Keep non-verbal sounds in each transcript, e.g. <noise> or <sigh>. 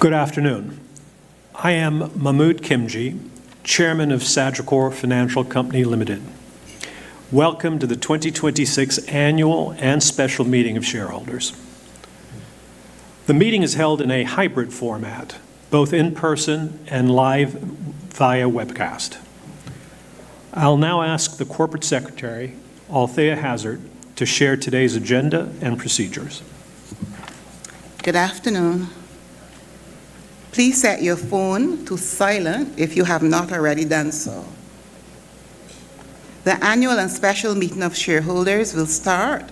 Good afternoon. I am Mahmood Khimji, Chairman of Sagicor Financial Company Limited. Welcome to the 2026 Annual and Special Meeting of Shareholders. The meeting is held in a hybrid format, both in-person and live via webcast. I'll now ask the Corporate Secretary, Althea Hazzard, to share today's agenda and procedures. Good afternoon. Please set your phone to silent if you have not already done so. The Annual and Special Meeting of Shareholders will start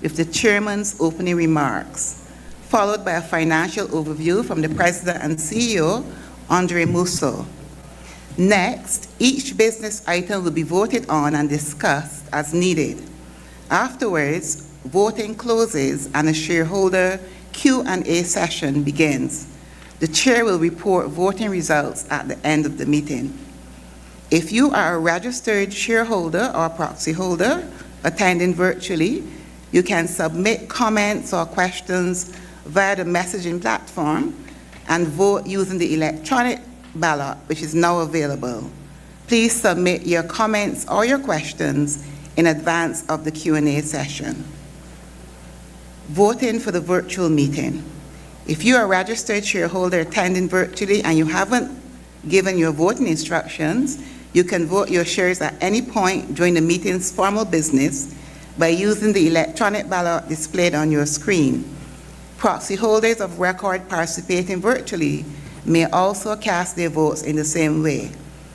with the Chairman's opening remarks, followed by a financial overview from the President and CEO, Andre Mousseau. Each business item will be voted on and discussed as needed. Afterwards, voting closes, and a shareholder Q&A session begins. The Chair will report voting results at the end of the meeting. If you are a registered shareholder or proxyholder attending virtually, you can submit comments or questions via the messaging platform and vote using the electronic ballot, which is now available. Please submit your comments or your questions in advance of the Q&A session. Voting for the virtual meeting. If you are a registered shareholder attending virtually and you haven't given your voting instructions, you can vote your shares at any point during the meeting's formal business by using the electronic ballot displayed on your screen. Proxyholders of record participating virtually may also cast their votes in the same way.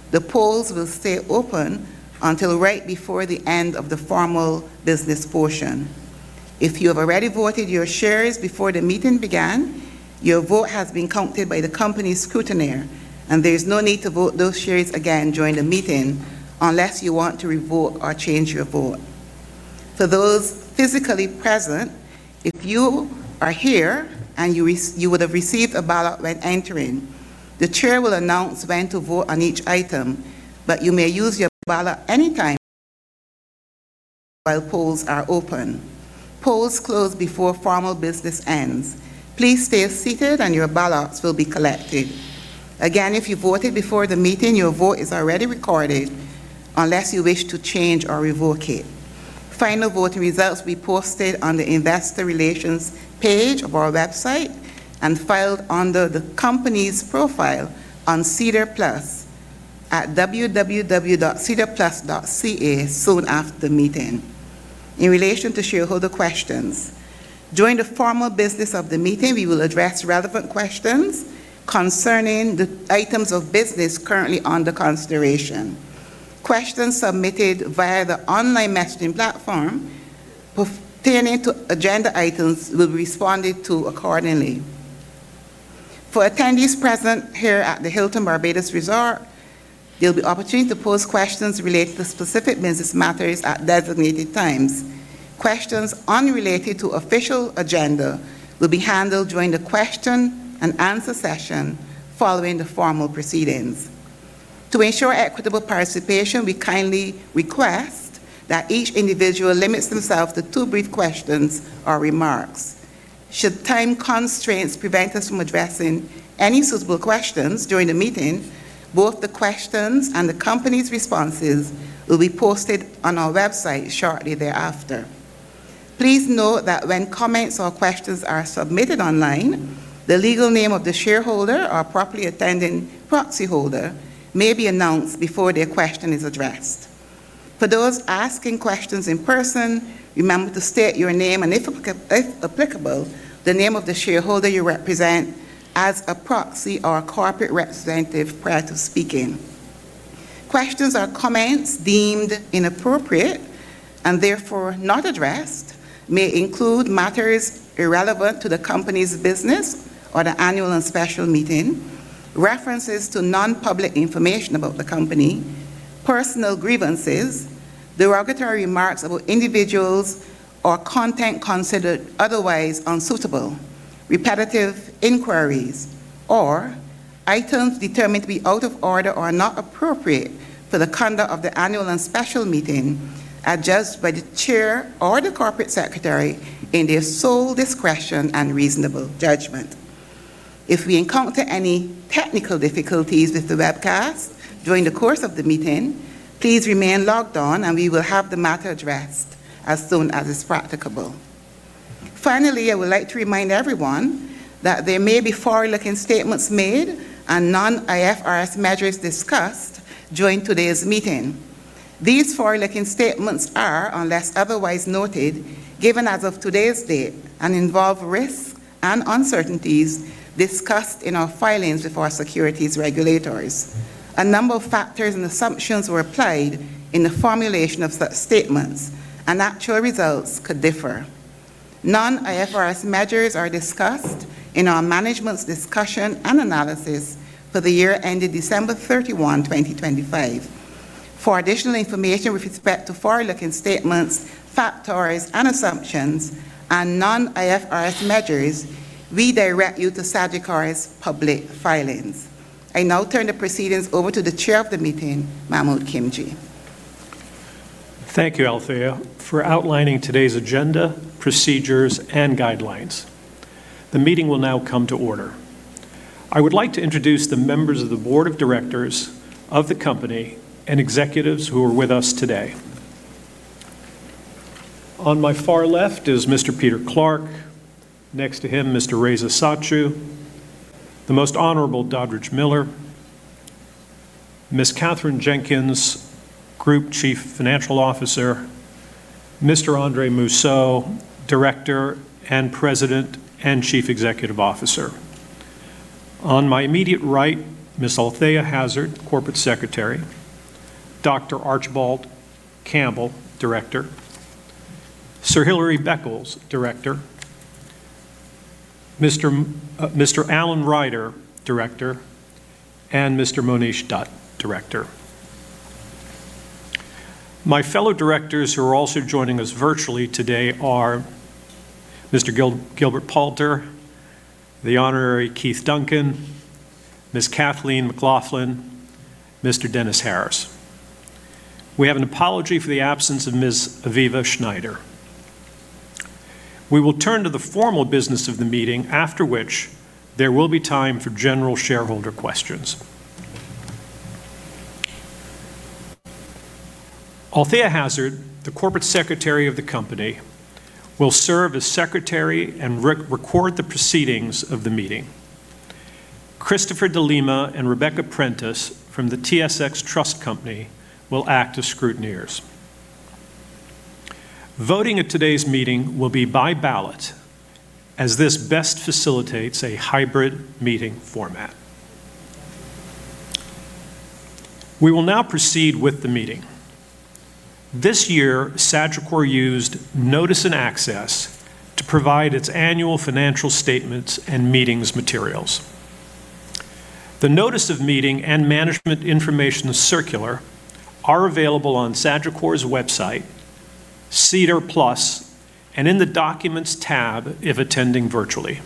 The polls will stay open until right before the end of the formal business portion. If you have already voted your shares before the meeting began, your vote has been counted by the company scrutineer, and there is no need to vote those shares again during the meeting unless you want to revote or change your vote. For those physically present, if you are here and you would have received a ballot when entering. The Chair will announce when to vote on each item, you may use your ballot anytime while polls are open. Polls close before formal business ends. Please stay seated, your ballots will be collected. Again, if you voted before the meeting, your vote is already recorded unless you wish to change or revoke it. Final voting results will be posted on the Investor Relations page of our website and filed under the company's profile on SEDAR+ at www.sedarplus.ca soon after the meeting. In relation to shareholder questions, during the formal business of the meeting, we will address relevant questions concerning the items of business currently under consideration. Questions submitted via the online messaging platform pertaining to agenda items will be responded to accordingly. For attendees present here at the Hilton Barbados Resort, there'll be opportunity to pose questions related to specific business matters at designated times. Questions unrelated to official agenda will be handled during the question and answer session following the formal proceedings. To ensure equitable participation, we kindly request that each individual limits themselves to two brief questions or remarks. Should time constraints prevent us from addressing any suitable questions during the meeting, both the questions and the company's responses will be posted on our website shortly thereafter. Please note that when comments or questions are submitted online, the legal name of the shareholder or properly attending proxyholder may be announced before their question is addressed. For those asking questions in person, remember to state your name, and if applicable, the name of the shareholder you represent as a proxy or a corporate representative prior to speaking. Questions or comments deemed inappropriate and therefore not addressed may include matters irrelevant to the company's business or the annual and special meeting, references to non-public information about the company, personal grievances, derogatory remarks about individuals or content considered otherwise unsuitable, repetitive inquiries, or items determined to be out of order or not appropriate for the conduct of the annual and special meeting adjusts by the Chair or the Corporate Secretary in their sole discretion and reasonable judgment. If we encounter any technical difficulties with the webcast during the course of the meeting, please remain logged on, and we will have the matter addressed as soon as is practicable. Finally, I would like to remind everyone that there may be forward-looking statements made and non-IFRS measures discussed during today's meeting. These forward-looking statements are, unless otherwise noted, given as of today's date and involve risks and uncertainties discussed in our filings with our securities regulators. A number of factors and assumptions were applied in the formulation of such statements, and actual results could differ. Non-IFRS measures are discussed in our management's discussion and analysis for the year ended December 31, 2025. For additional information with respect to forward-looking statements, factors and assumptions, and non-IFRS measures, we direct you to Sagicor's public filings. I now turn the proceedings over to the Chair of the meeting, Mahmood Khimji. Thank you, Althea, for outlining today's agenda, procedures, and guidelines. The meeting will now come to order. I would like to introduce the members of the Board of Directors of the company and executives who are with us today. On my far left is Mr. Peter Clarke. Next to him, Mr. Reza Satchu, the Most Honorable Dodridge Miller, Ms. Kathryn Jenkins, Group Chief Financial Officer, Mr. Andre Mousseau, Director and President and Chief Executive Officer. On my immediate right, Ms. Althea Hazzard, Corporate Secretary, Dr. Archibald Campbell, Director, Sir Hilary Beckles, Director, Mr. Alan Ryder, Director, and Mr. Monish Dutt, Director. My fellow Directors who are also joining us virtually today are Mr. Gilbert Palter, the Honorary Keith Duncan, Ms. Cathleen McLaughlin, Mr. Dennis Harris. We have an apology for the absence of Ms. Aviva Shneider. We will turn to the formal business of the meeting, after which there will be time for general shareholder questions. Althea Hazzard, the Corporate Secretary of the company, will serve as secretary and record the proceedings of the meeting. Christopher de Lima and Rebecca Prentice from the TSX Trust Company will act as scrutineers. Voting at today's meeting will be by ballot, as this best facilitates a hybrid meeting format. We will now proceed with the meeting. This year, Sagicor used Notice and Access to provide its annual financial statements and meetings materials. The notice of meeting and management information circular are available on Sagicor's website, SEDAR+, and in the Documents tab if attending virtually.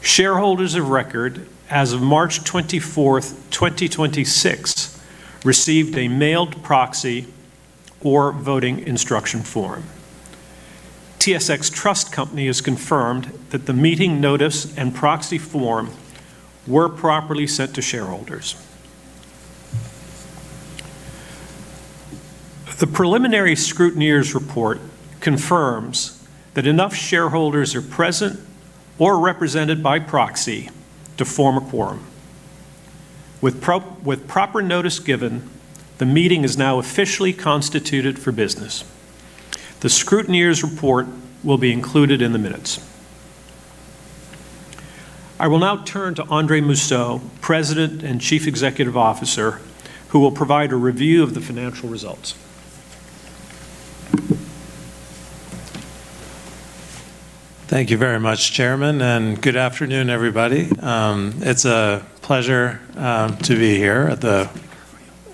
Shareholders of record as of March 24th, 2026 received a mailed proxy or voting instruction form. TSX Trust Company has confirmed that the meeting notice and proxy form were properly sent to shareholders. The preliminary scrutineers report confirms that enough shareholders are present or represented by proxy to form a quorum. With proper notice given, the meeting is now officially constituted for business. The scrutineers report will be included in the minutes. I will now turn to Andre Mousseau, President and Chief Executive Officer, who will provide a review of the financial results. Thank you very much, Chairman, and good afternoon, everybody. It's a pleasure to be here.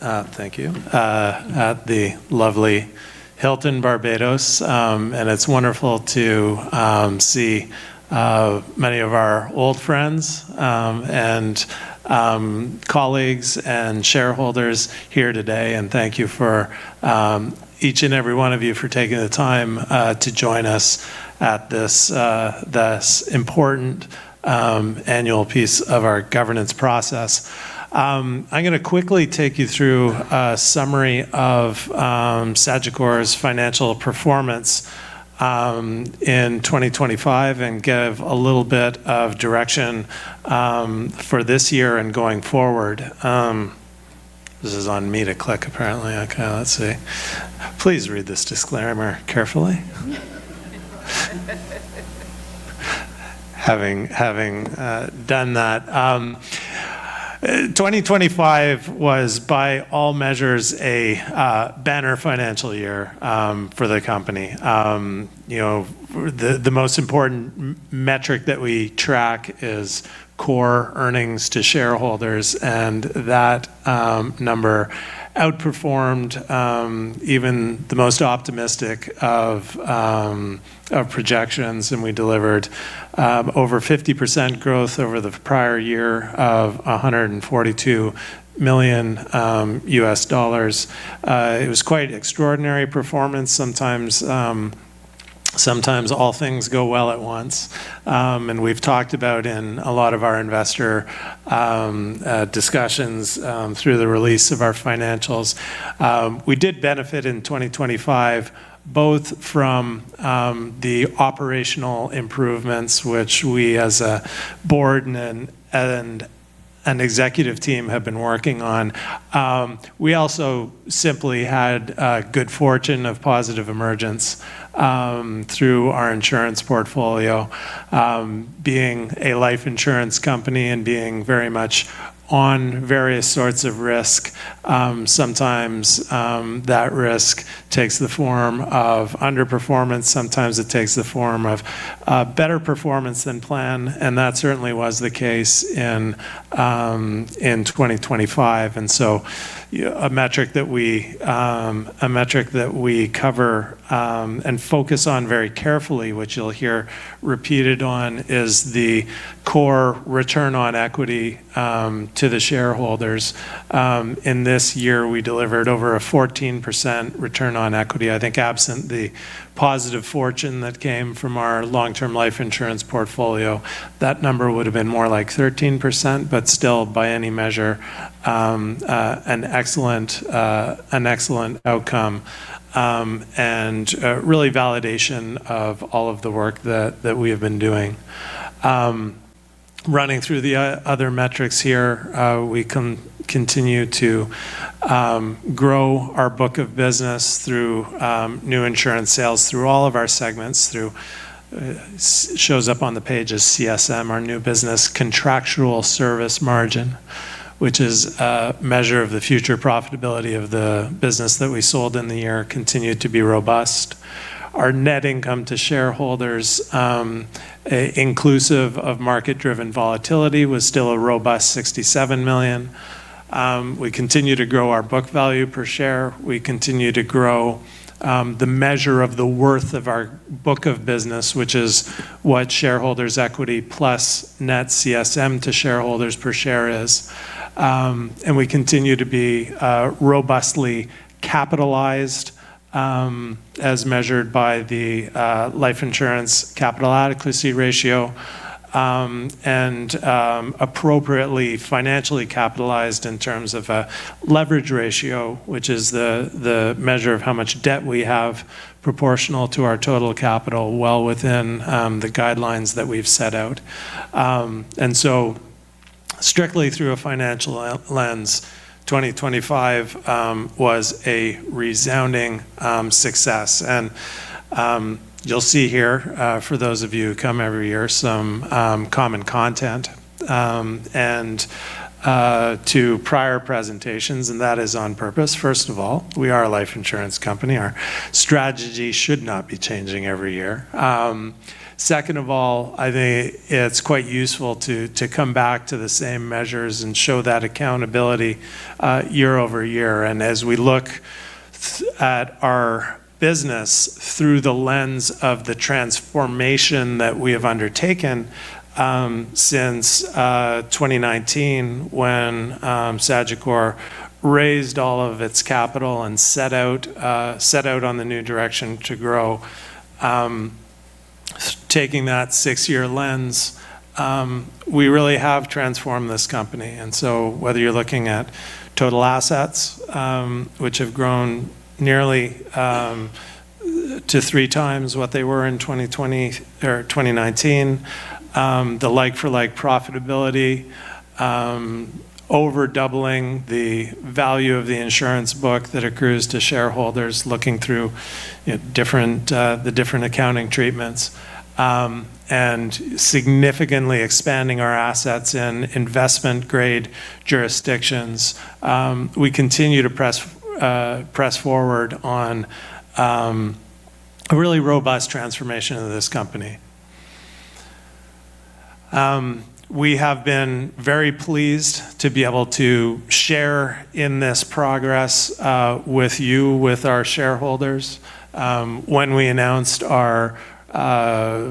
Thank you. At the lovely Hilton Barbados. It's wonderful to see many of our old friends, and colleagues and shareholders here today. Thank you for each and every one of you for taking the time to join us at this important annual piece of our governance process. I'm gonna quickly take you through a summary of Sagicor's financial performance in 2025 and give a little bit of direction for this year and going forward. This is on me to click, apparently. Okay, let's see. Please read this disclaimer carefully. Having done that, 2025 was by all measures a banner financial year for the company. You know, the most important metric that we track is core earnings to shareholders, that number outperformed even the most optimistic of projections, we delivered over 50% growth over the prior year of $142 million. It was quite extraordinary performance. Sometimes all things go well at once. We've talked about in a lot of our investor discussions through the release of our financials. We did benefit in 2025 both from the operational improvements which we as a board and executive team have been working on. We also simply had a good fortune of positive emergence through our insurance portfolio. Being a life insurance company and being very much on various sorts of risk, sometimes that risk takes the form of underperformance, sometimes it takes the form of better performance than planned, and that certainly was the case in 2025. A metric that we cover and focus on very carefully, which you'll hear repeated on, is the core return on equity to the shareholders. In this year, we delivered over a 14% return on equity. I think absent the positive fortune that came from our long-term life insurance portfolio, that number would have been more like 13%, but still by any measure, an excellent an excellent outcome and really validation of all of the work that we have been doing. Running through the other metrics here, we continue to grow our book of business through new insurance sales through all of our segments, through shows up on the page as CSM, our new business contractual service margin, which is a measure of the future profitability of the business that we sold in the year continued to be robust. Our net income to shareholders, inclusive of market-driven volatility was still a robust $67 million. We continue to grow our book value per share. We continue to grow the measure of the worth of our book of business, which is what shareholders' equity plus net CSM to shareholders per share is. We continue to be robustly capitalized, as measured by the Life Insurance Capital Adequacy ratio, and appropriately financially capitalized in terms of a leverage ratio, which is the measure of how much debt we have proportional to our total capital well within the guidelines that we've set out. Strictly through a financial lens, 2025 was a resounding success. You'll see here, for those of you who come every year, some common content to prior presentations, and that is on purpose. First of all, we are a life insurance company. Our strategy should not be changing every year. Second of all, I think it's quite useful to come back to the same measures and show that accountability year-over-year. As we look at our business through the lens of the transformation that we have undertaken, since 2019 when Sagicor raised all of its capital and set out on the new direction to grow, taking that six-year lens, we really have transformed this company. Whether you're looking at total assets, which have grown nearly to 3x what they were in 2020 or 2019, the like-for-like profitability, over doubling the value of the insurance book that accrues to shareholders looking through, you know, different, the different accounting treatments, and significantly expanding our assets in investment-grade jurisdictions, we continue to press forward on a really robust transformation of this company. We have been very pleased to be able to share in this progress with you, with our shareholders. When we announced our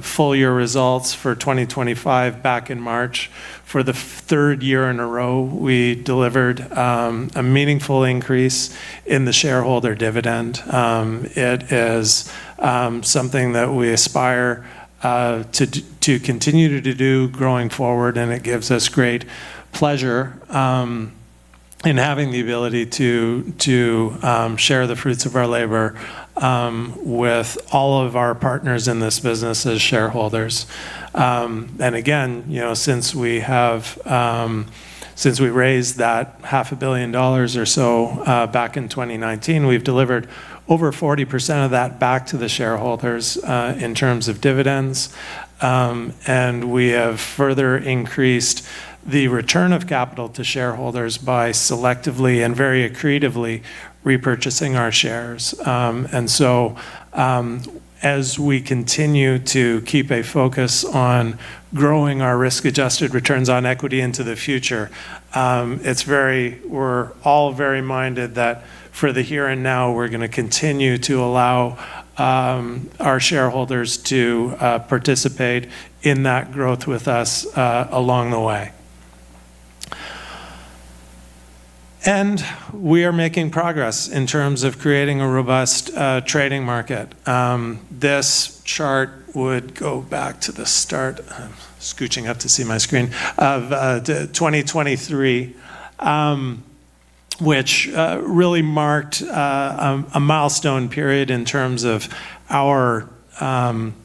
full year results for 2025 back in March, for the third year in a row, we delivered a meaningful increase in the shareholder dividend. It is something that we aspire to continue to do growing forward, and it gives us great pleasure in having the ability to share the fruits of our labor with all of our partners in this business as shareholders. Again, you know, since we have since we raised that half a billion dollars or so back in 2019, we've delivered over 40% of that back to the shareholders in terms of dividends. We have further increased the return of capital to shareholders by selectively and very accretively repurchasing our shares. As we continue to keep a focus on growing our risk-adjusted returns on equity into the future, we're all very minded that for the here and now, we're gonna continue to allow our shareholders to participate in that growth with us along the way. We are making progress in terms of creating a robust trading market. This chart would go back to the start, I'm scooching up to see my screen, of 2023, which really marked a milestone period in terms of our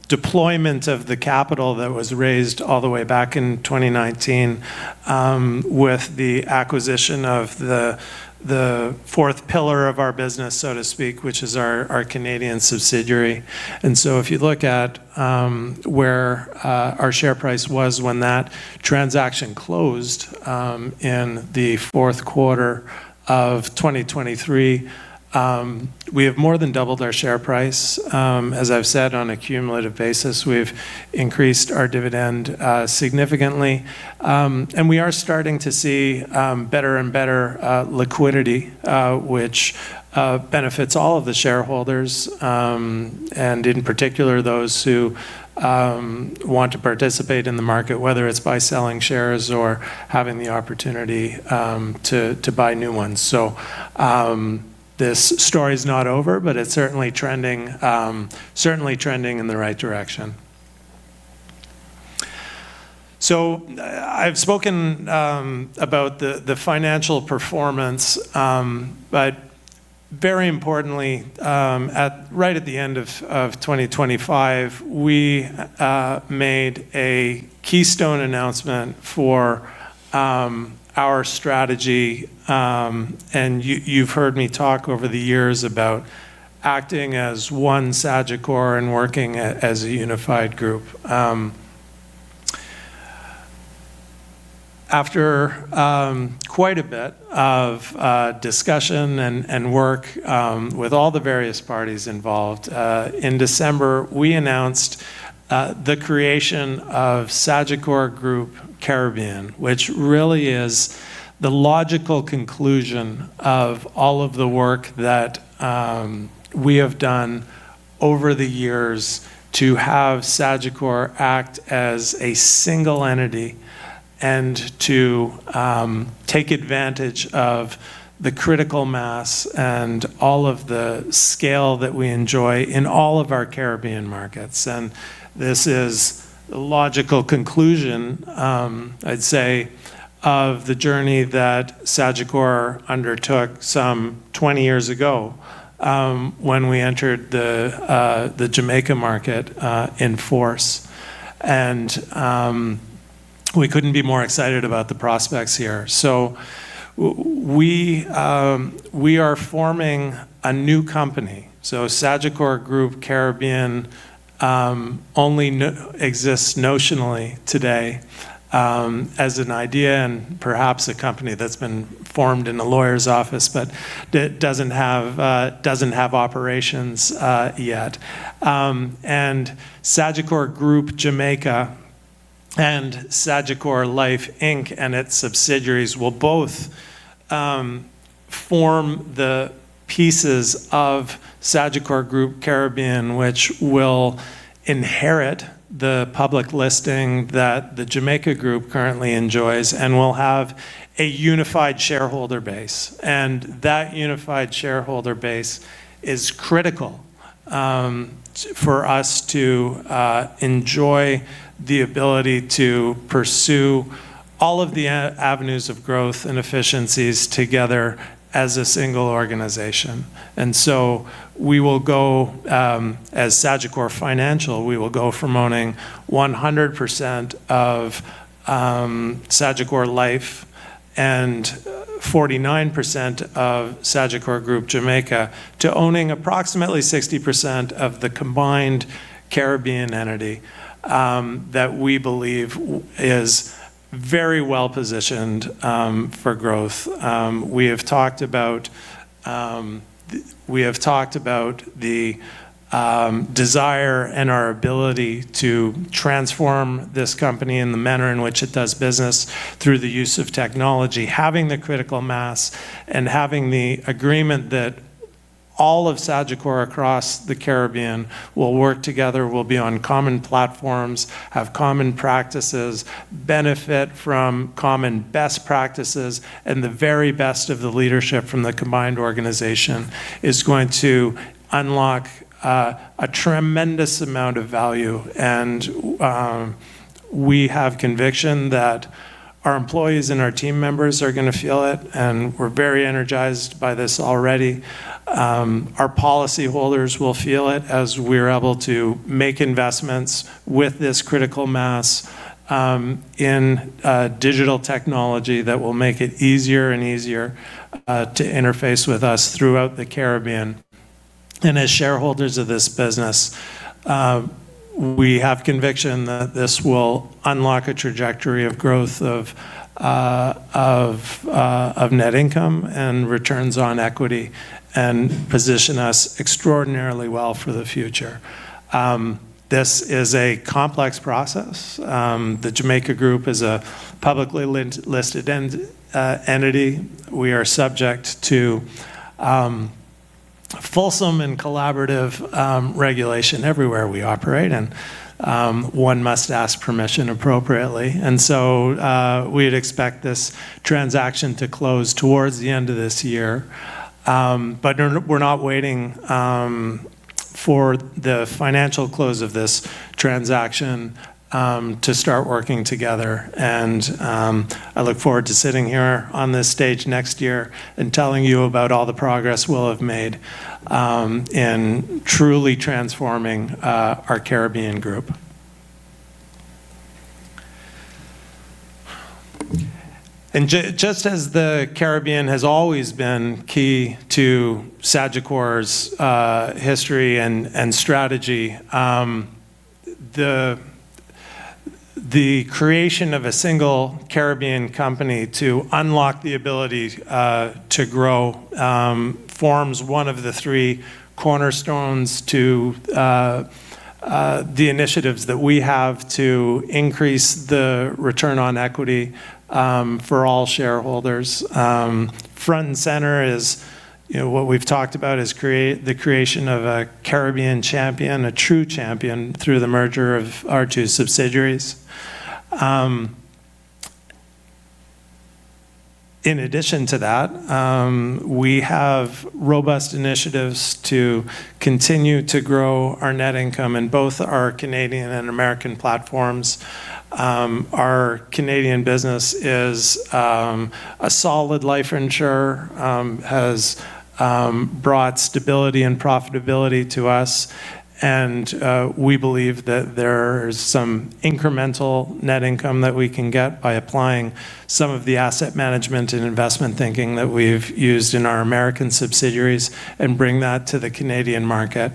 deployment of the capital that was raised all the way back in 2019, with the acquisition of the fourth pillar of our business, so to speak, which is our Canadian subsidiary. If you look at where our share price was when that transaction closed in the fourth quarter of 2023, we have more than doubled our share price. As I've said, on a cumulative basis, we've increased our dividend significantly. We are starting to see better and better liquidity, which benefits all of the shareholders, and in particular, those who want to participate in the market, whether it's by selling shares or having the opportunity to buy new ones. This story's not over, but it's certainly trending in the right direction. I've spoken about the financial performance. Very importantly, at right at the end of 2025, we made a keystone announcement for our strategy, and you've heard me talk over the years about acting as one Sagicor and working as a unified group. After quite a bit of discussion and work with all the various parties involved, in December, we announced the creation of Sagicor Group Caribbean, which really is the logical conclusion of all of the work that we have done over the years to have Sagicor act as a single entity and to take advantage of the critical mass and all of the scale that we enjoy in all of our Caribbean markets. This is a logical conclusion, I'd say, of the journey that Sagicor undertook some 20 years ago when we entered the Jamaica market in force. We couldn't be more excited about the prospects here. We are forming a new company. Sagicor Group Caribbean only exists notionally today as an idea and perhaps a company that's been formed in a lawyer's office, but that doesn't have, doesn't have operations yet. Sagicor Group Jamaica and Sagicor Life Inc. and its subsidiaries will both form the pieces of Sagicor Group Caribbean, which will inherit the public listing that the Jamaica group currently enjoys and will have a unified shareholder base. That unified shareholder base is critical for us to enjoy the ability to pursue all of the avenues of growth and efficiencies together as a single organization. We will go as Sagicor Financial, we will go from owning 100% of Sagicor Life and 49% of Sagicor Group Jamaica to owning approximately 60% of the combined Caribbean entity that we believe is very well-positioned for growth. We have talked about the desire and our ability to transform this company and the manner in which it does business through the use of technology. Having the critical mass and having the agreement that all of Sagicor across the Caribbean will work together, will be on common platforms, have common practices, benefit from common best practices, and the very best of the leadership from the combined organization is going to unlock a tremendous amount of value. We have conviction that our employees and our team members are going to feel it, and we're very energized by this already. Our policyholders will feel it as we're able to make investments with this critical mass in digital technology that will make it easier and easier to interface with us throughout the Caribbean. As shareholders of this business, we have conviction that this will unlock a trajectory of growth of net income and returns on equity and position us extraordinarily well for the future. This is a complex process. The Jamaica Group is a publicly listed entity. We are subject to fulsome and collaborative regulation everywhere we operate. One must ask permission appropriately. We'd expect this transaction to close towards the end of this year. We're not waiting for the financial close of this transaction to start working together. I look forward to sitting here on this stage next year and telling you about all the progress we'll have made in truly transforming our Caribbean Group. Just as the Caribbean has always been key to Sagicor's history and strategy, the creation of a single Caribbean company to unlock the ability to grow forms one of the three cornerstones to the initiatives that we have to increase the return on equity for all shareholders. Front and center is, you know, what we've talked about is the creation of a Caribbean champion, a true champion through the merger of our two subsidiaries. In addition to that, we have robust initiatives to continue to grow our net income in both our Canadian and American platforms. Our Canadian business is a solid life insurer, has brought stability and profitability to us and we believe that there is some incremental net income that we can get by applying some of the asset management and investment thinking that we've used in our American subsidiaries and bring that to the Canadian market.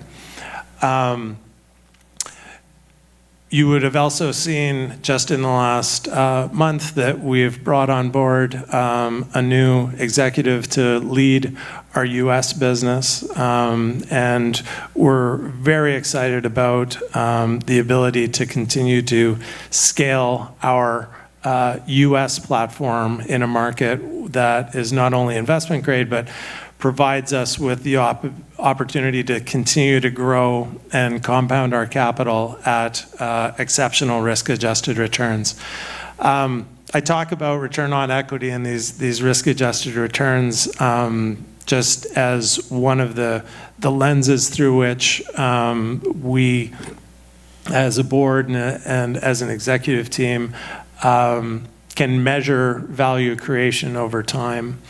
You would have also seen just in the last month that we've brought on board a new executive to lead our U.S. business, and we're very excited about the ability to continue to scale our U.S. platform in a market that is not only investment grade, but provides us with the opportunity to continue to grow and compound our capital at exceptional risk-adjusted returns. I talk about return on equity and these risk-adjusted returns, just as one of the lenses through which we as a board and as an executive team can measure value creation over time.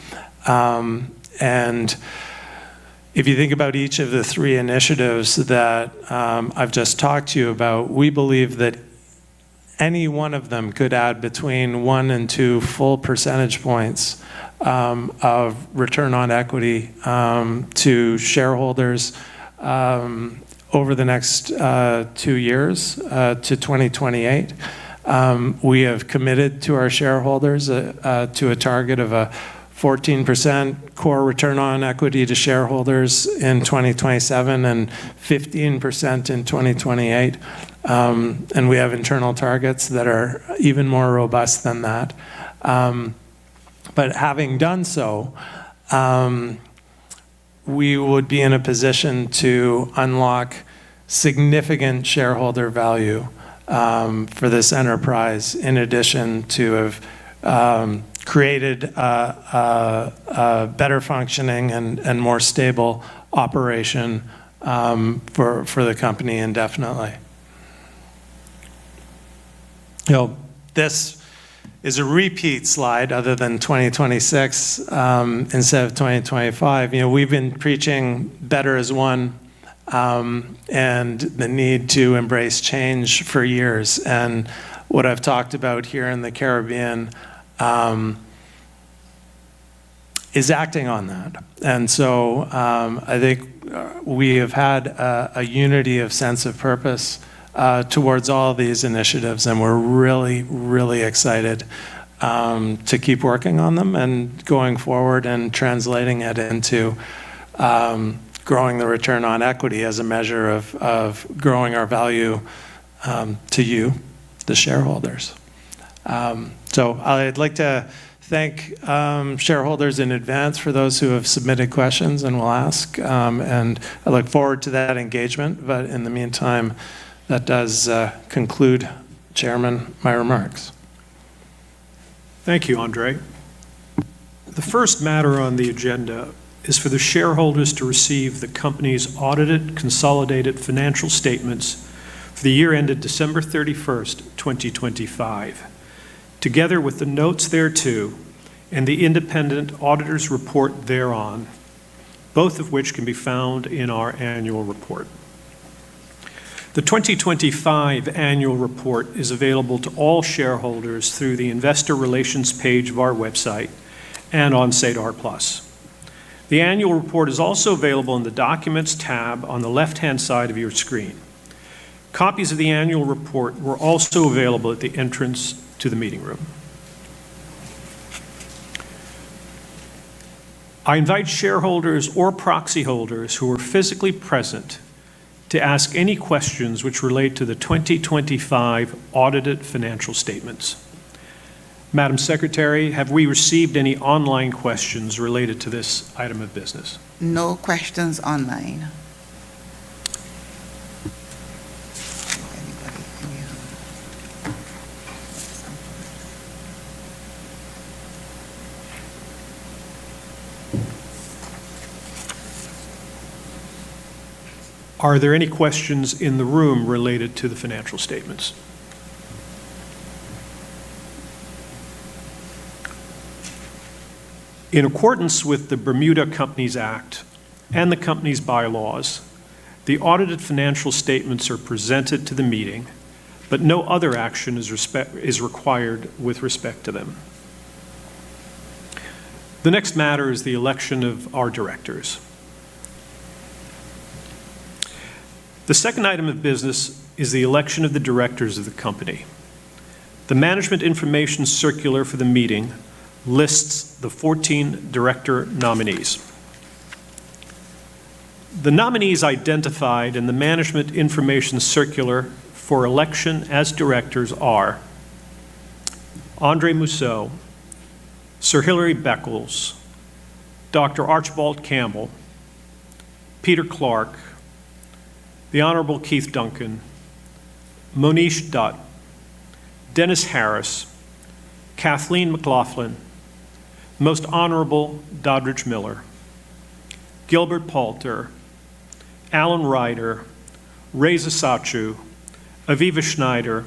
If you think about each of the three initiatives that I've just talked to you about, we believe that any one of them could add between one and two full percentage points of return on equity to shareholders over the next two years to 2028. We have committed to our shareholders to a target of a 14% core return on equity to shareholders in 2027 and 15% in 2028. We have internal targets that are even more robust than that. Having done so, we would be in a position to unlock significant shareholder value for this enterprise in addition to have created a better functioning and more stable operation for the company indefinitely. You know, this is a repeat slide other than 2026, instead of 2025. You know, we've been preaching better as one, and the need to embrace change for years. What I've talked about here in the Caribbean is acting on that. I think we have had a unity of sense of purpose towards all these initiatives and we're really, really excited to keep working on them and going forward and translating it into growing the return on equity as a measure of growing our value to you, the shareholders. I'd like to thank shareholders in advance for those who have submitted questions and will ask, and I look forward to that engagement. In the meantime, that does conclude, Chairman, my remarks. Thank you, Andre. The first matter on the agenda is for the shareholders to receive the company's audited consolidated financial statements for the year ended December 31st, 2025, together with the notes thereto and the independent auditor's report thereon, both of which can be found in our annual report. The 2025 annual report is available to all shareholders through the investor relations page of our website and on SEDAR+. The annual report is also available in the Documents tab on the left-hand side of your screen. Copies of the annual report were also available at the entrance to the meeting room. I invite shareholders or proxy holders who are physically present to ask any questions which relate to the 2025 audited financial statements. Madam Secretary, have we received any online questions related to this item of business? No questions online. Are there any questions in the room related to the financial statements? In accordance with the Bermuda Companies Act and the company's bylaws, the audited financial statements are presented to the meeting, but no other action is required with respect to them. The next matter is the election of our directors. The second item of business is the election of the directors of the company. The management information circular for the meeting lists the 14 director nominees. The nominees identified in the management information circular for election as directors are Andre Mousseau, Sir Hilary Beckles, Dr. Archibald Campbell, Peter Clarke, the Honorable Keith Duncan, Monish Dutt, Dennis Harris, Cathleen McLaughlin, Most Honorable Dodridge Miller, Gilbert Palter, Alan Ryder, Reza Satchu, Aviva Shneider,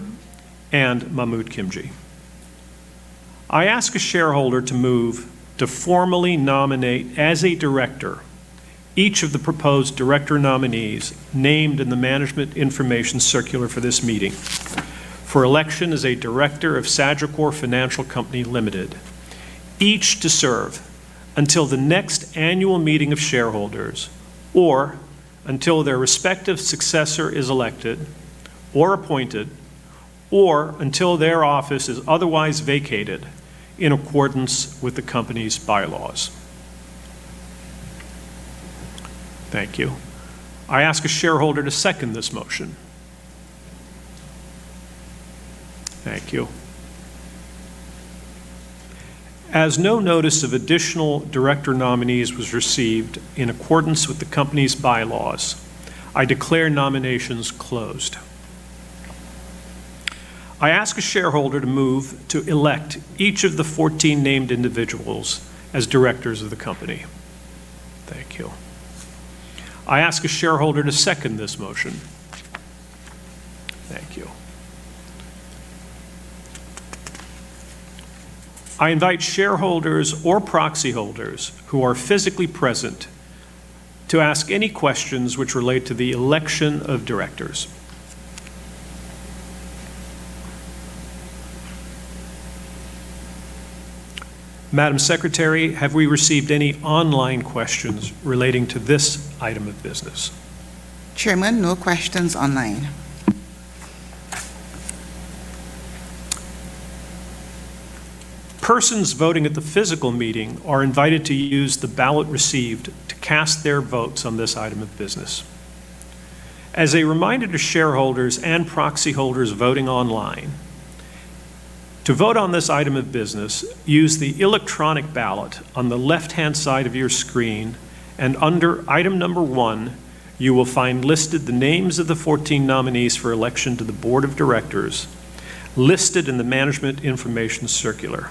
and Mahmood Khimji. I ask a shareholder to move to formally nominate as a director each of the proposed director nominees named in the management information circular for this meeting for election as a director of Sagicor Financial Company Ltd., each to serve until the next annual meeting of shareholders or until their respective successor is elected or appointed or until their office is otherwise vacated in accordance with the company's bylaws. Thank you. I ask a shareholder to second this motion. Thank you. As no notice of additional director nominees was received in accordance with the company's bylaws, I declare nominations closed. I ask a shareholder to move to elect each of the 14 named individuals as directors of the company. Thank you. I ask a shareholder to second this motion. Thank you. I invite shareholders or proxy holders who are physically present to ask any questions which relate to the election of directors. Madam Secretary, have we received any online questions relating to this item of business? Chairman, no questions online. Persons voting at the physical meeting are invited to use the ballot received to cast their votes on this item of business. As a reminder to shareholders and proxy holders voting online, to vote on this item of business, use the electronic ballot on the left-hand side of your screen and under item number one, you will find listed the names of the 14 nominees for election to the board of directors listed in the management information circular.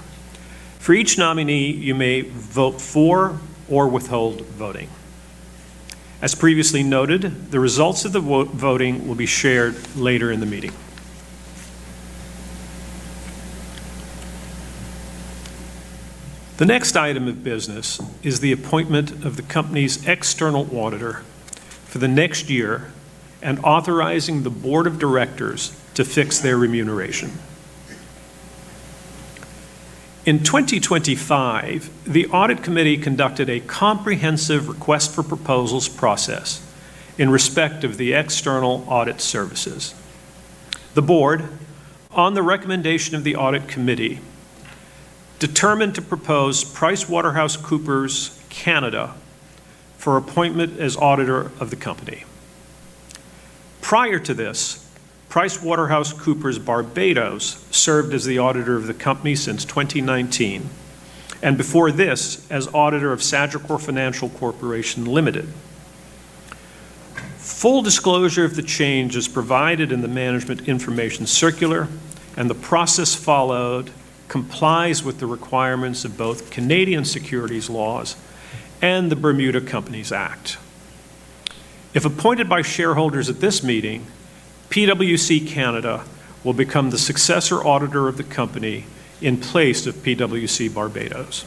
For each nominee, you may vote for or withhold voting. As previously noted, the results of the voting will be shared later in the meeting. The next item of business is the appointment of the company's external auditor for the next year and authorizing the board of directors to fix their remuneration. In 2025, the audit committee conducted a comprehensive request for proposals process in respect of the external audit services. The board, on the recommendation of the audit committee, determined to propose PricewaterhouseCoopers Canada for appointment as auditor of the company. Prior to this, PricewaterhouseCoopers Barbados served as the auditor of the company since 2019 and before this, as auditor of Sagicor Financial Corporation Limited. Full disclosure of the change is provided in the management information circular. The process followed complies with the requirements of both Canadian securities laws and the Bermuda Companies Act. If appointed by shareholders at this meeting, PwC Canada will become the successor auditor of the company in place of PwC Barbados.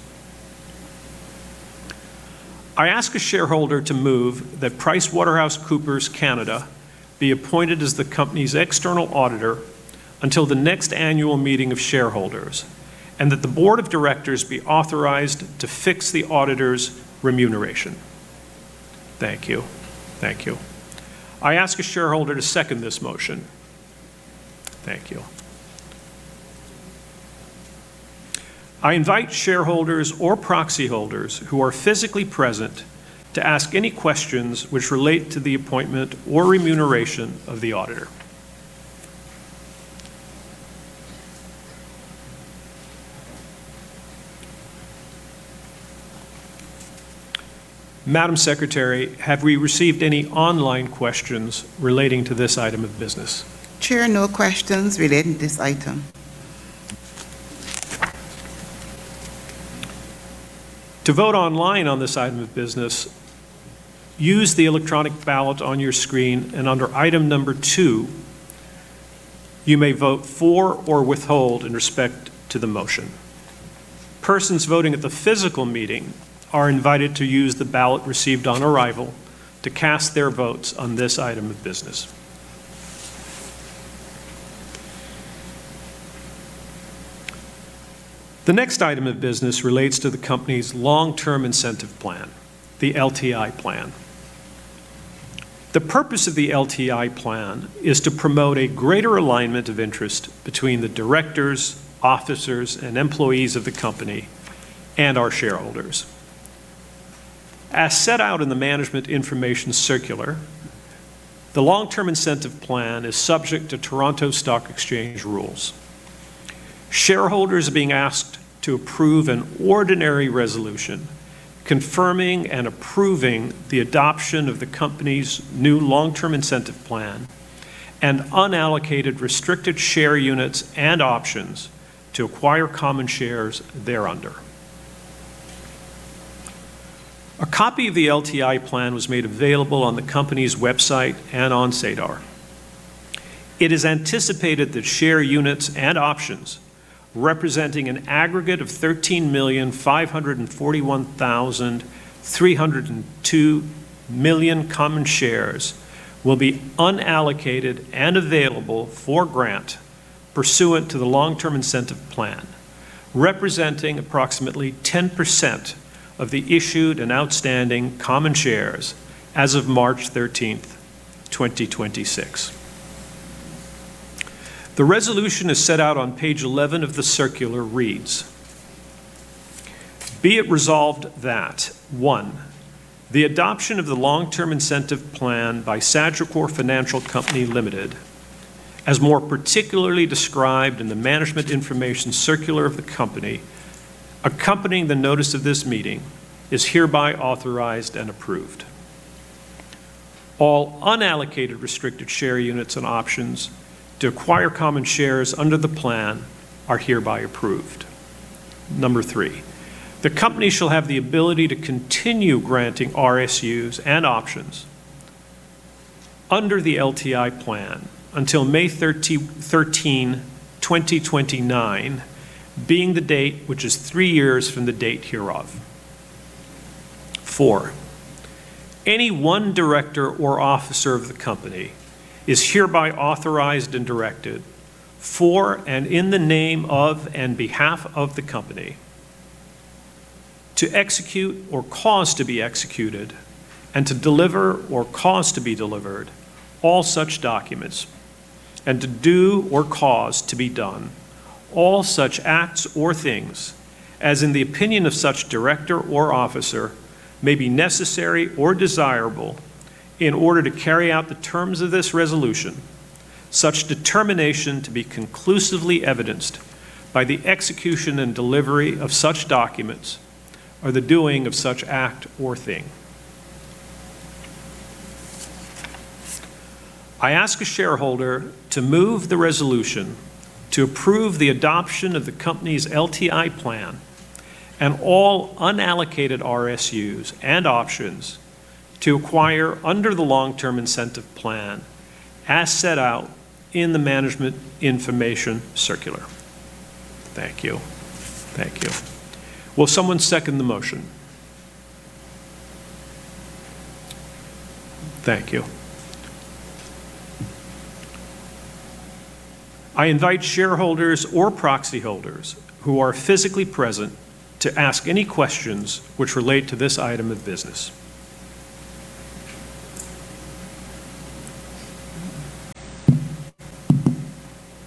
I ask a shareholder to move that PricewaterhouseCoopers Canada be appointed as the company's external auditor until the next annual meeting of shareholders. The board of directors be authorized to fix the auditor's remuneration. Thank you. Thank you. I ask a shareholder to second this motion. Thank you. I invite shareholders or proxy holders who are physically present to ask any questions which relate to the appointment or remuneration of the auditor. Madam Secretary, have we received any online questions relating to this item of business? Chair, no questions relating to this item. To vote online on this item of business, use the electronic ballot on your screen, and under item number two, you may vote for or withhold in respect to the motion. Persons voting at the physical meeting are invited to use the ballot received on arrival to cast their votes on this item of business. The next item of business relates to the company's Long-Term Incentive Plan, the LTI plan. The purpose of the LTI plan is to promote a greater alignment of interest between the directors, officers, and employees of the company and our shareholders. As set out in the management information circular, the Long-Term Incentive Plan is subject to Toronto Stock Exchange rules. Shareholders are being asked to approve an ordinary resolution confirming and approving the adoption of the company's new Long-Term Incentive Plan and unallocated restricted share units and options to acquire common shares thereunder. A copy of the LTI plan was made available on the company's website and on SEDAR. It is anticipated that share units and options representing an aggregate of 13,541,302 million common shares will be unallocated and available for grant pursuant to the Long-Term Incentive Plan, representing approximately 10% of the issued and outstanding common shares as of March 13th, 2026. The resolution is set out on page 11 of the circular reads, "Be it resolved that, one, the adoption of the Long-Term Incentive Plan by Sagicor Financial Company Limited, as more particularly described in the management information circular of the company accompanying the notice of this meeting, is hereby authorized and approved. All unallocated restricted share units and options to acquire common shares under the plan are hereby approved. Number three, the company shall have the ability to continue granting RSUs and options under the LTI plan until May 13, 2029, being the date which is three years from the date hereof. Four, any one director or officer of the company is hereby authorized and directed for and in the name of and behalf of the company to execute or cause to be executed and to deliver or cause to be delivered all such documents and to do or cause to be done all such acts or things as in the opinion of such director or officer may be necessary or desirable in order to carry out the terms of this resolution, such determination to be conclusively evidenced by the execution and delivery of such documents or the doing of such act or thing. I ask a shareholder to move the resolution to approve the adoption of the company's LTI plan and all unallocated RSUs and options to acquire under the Long-Term Incentive Plan as set out in the management information circular. Thank you. Thank you. Will someone second the motion? Thank you. I invite shareholders or proxy holders who are physically present to ask any questions which relate to this item of business.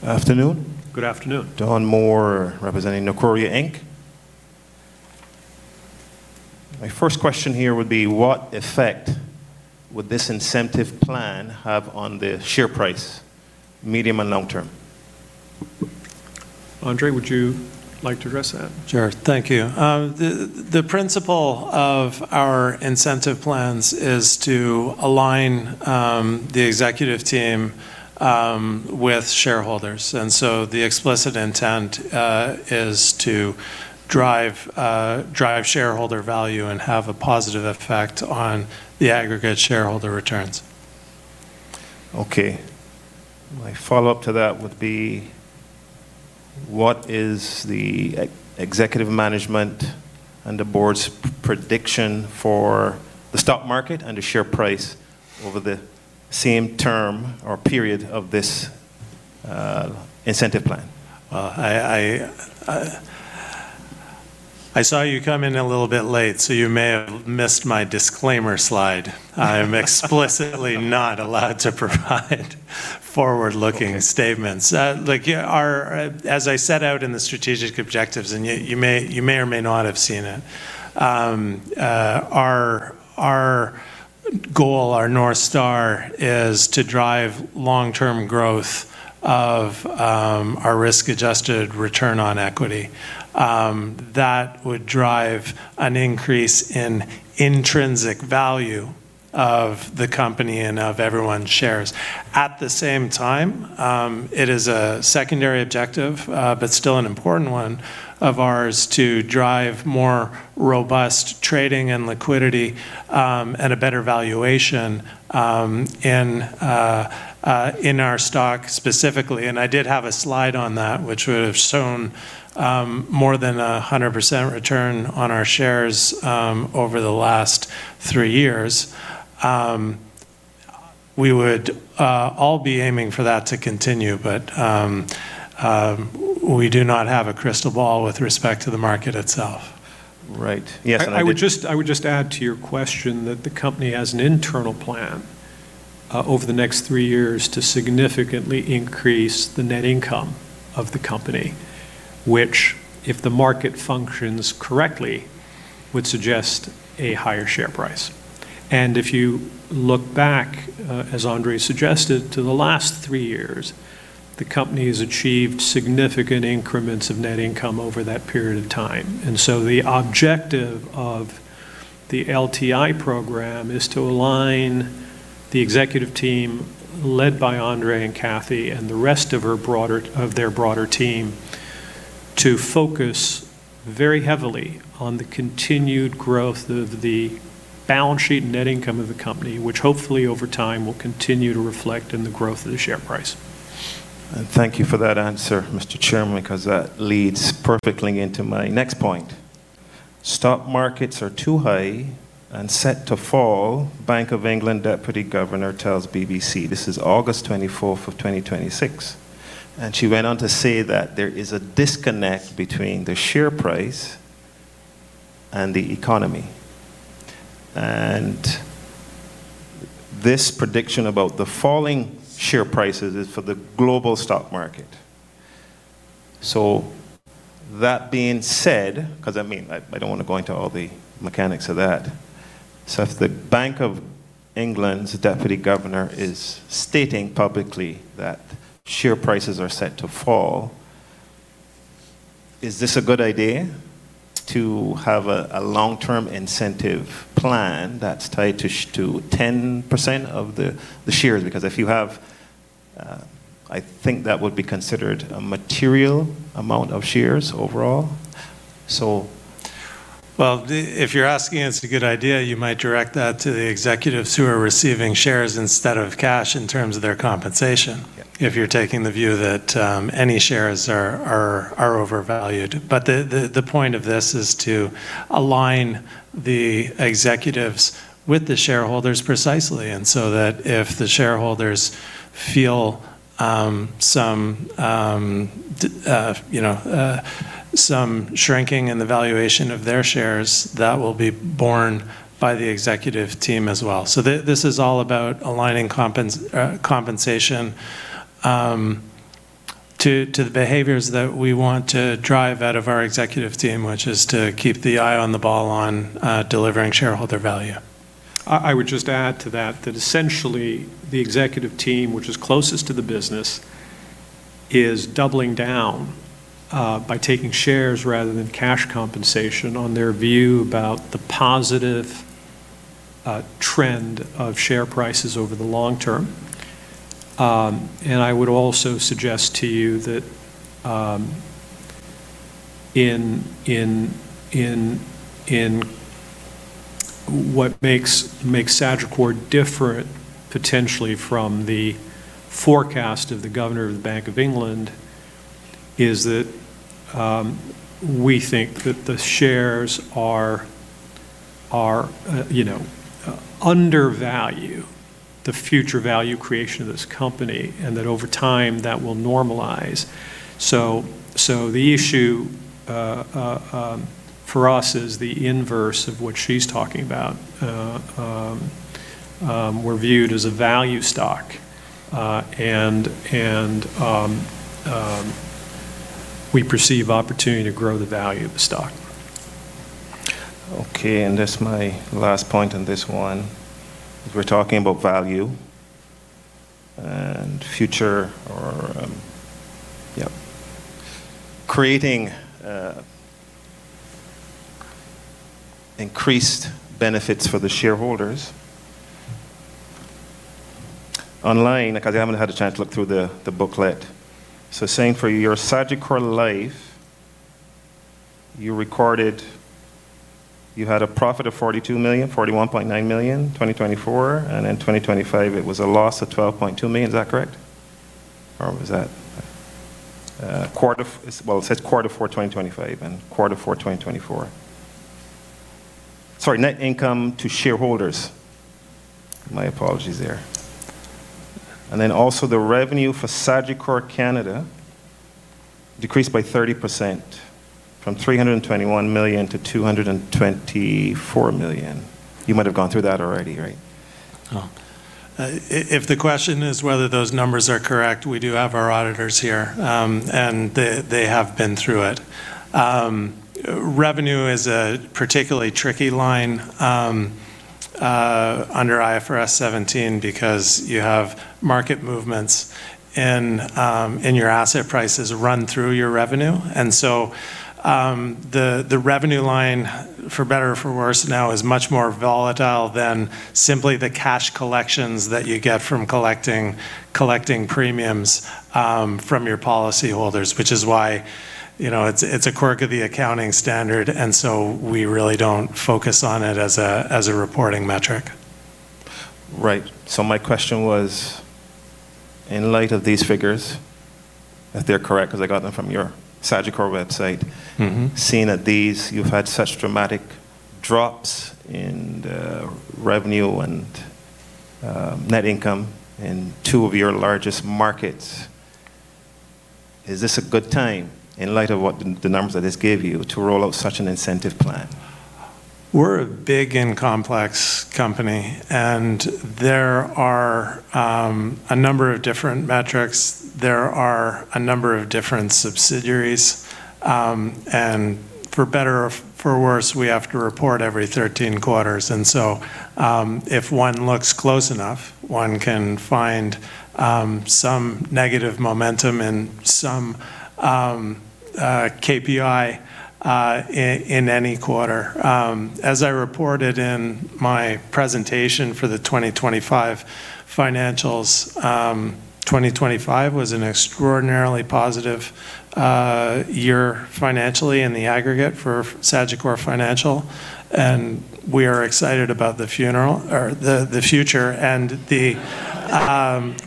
Afternoon. Good afternoon. Don Moore, representing [Nokoria Inc]. My first question here would be, what effect would this incentive plan have on the share price, medium and long term? Andre, would you like to address that? Sure. Thank you. The principle of our incentive plans is to align the executive team with shareholders. The explicit intent is to drive shareholder value and have a positive effect on the aggregate shareholder returns. Okay. My follow-up to that would be, what is the executive management and the board's prediction for the stock market and the share price over the same term or period of this incentive plan? I saw you come in a little bit late. You may have missed my disclaimer slide. I'm explicitly not allowed to provide forward-looking statements. Like, as I set out in the strategic objectives, and you may or may not have seen it, our goal, our North Star, is to drive long-term growth of our risk-adjusted return on equity. That would drive an increase in intrinsic value of the company and of everyone's shares. At the same time, it is a secondary objective, but still an important one of ours, to drive more robust trading and liquidity, and a better valuation in our stock specifically. I did have a slide on that, which would have shown more than a 100% return on our shares over the last three years. We would all be aiming for that to continue, but we do not have a crystal ball with respect to the market itself. Right. Yes. I would just add to your question that the company has an internal plan over the next three years to significantly increase the net income of the company, which, if the market functions correctly, would suggest a higher share price. If you look back, as Andre suggested, to the last three years, the company has achieved significant increments of net income over that period of time. The objective of the LTI program is to align the executive team led by Andre and Kathy and the rest of their broader team to focus very heavily on the continued growth of the balance sheet and net income of the company, which hopefully over time will continue to reflect in the growth of the share price. Thank you for that answer, Mr. Chairman, cause that leads perfectly into my next point. "Stock markets are too high and set to fall," Bank of England deputy governor tells BBC. This is August 24th of 2026. She went on to say that there is a disconnect between the share price and the economy. This prediction about the falling share prices is for the global stock market. That being said, cause I mean, I don't wanna go into all the mechanics of that. If the Bank of England's deputy governor is stating publicly that share prices are set to fall, is this a good idea to have a Long-Term Incentive Plan that's tied to to 10% of the shares? Because if you have, I think that would be considered a material amount of shares overall. Well, if you're asking is it a good idea, you might direct that to the executives who are receiving shares instead of cash in terms of their compensation. Yeah if you're taking the view that any shares are overvalued. The point of this is to align the executives with the shareholders precisely, and so that if the shareholders feel, you know, some shrinking in the valuation of their shares, that will be borne by the executive team as well. This is all about aligning compensation to the behaviors that we want to drive out of our executive team, which is to keep the eye on the ball on delivering shareholder value. I would just add to that essentially the executive team, which is closest to the business, is doubling down by taking shares rather than cash compensation on their view about the positive trend of share prices over the long term. I would also suggest to you that in what makes Sagicor different potentially from the forecast of the governor of the Bank of England is that we think that the shares are, you know, undervalue the future value creation of this company, and that over time that will normalize. The issue for us is the inverse of what she's talking about. We're viewed as a value stock, and we perceive opportunity to grow the value of the stock. That's my last point on this one. If we're talking about value and future or creating increased benefits for the shareholders. Online, because I haven't had a chance to look through the booklet. Saying for your Sagicor Life, you recorded you had a profit of $42 million, $41.9 million, 2024, and in 2025 it was a loss of $12.2 million. Is that correct? Or was that quarter, well, it says quarter four, 2025 and quarter four, 2024. Sorry, net income to shareholders. My apologies there. Also the revenue for Sagicor Canada decreased by 30% from $321 million to $224 million. You might have gone through that already, right? If the question is whether those numbers are correct, we do have our auditors here, and they have been through it. Revenue is a particularly tricky line under IFRS 17 because you have market movements in your asset prices run through your revenue. The revenue line, for better or for worse, now is much more volatile than simply the cash collections that you get from collecting premiums from your policyholders, which is why, you know, it's a quirk of the accounting standard, we really don't focus on it as a reporting metric. Right. My question was, in light of these figures, if they're correct, because I got them from your Sagicor website. Seeing that these, you've had such dramatic drops in the revenue and net income in two of your largest markets. Is this a good time, in light of what the numbers that this gave you, to roll out such an incentive plan? We're a big and complex company. There are a number of different metrics. There are a number of different subsidiaries. For better or for worse, we have to report every 13 quarters. If one looks close enough, one can find some negative momentum in some KPI in any quarter. As I reported in my presentation for the 2025 financials, 2025 was an extraordinarily positive year financially in the aggregate for Sagicor Financial, and we are excited about the future.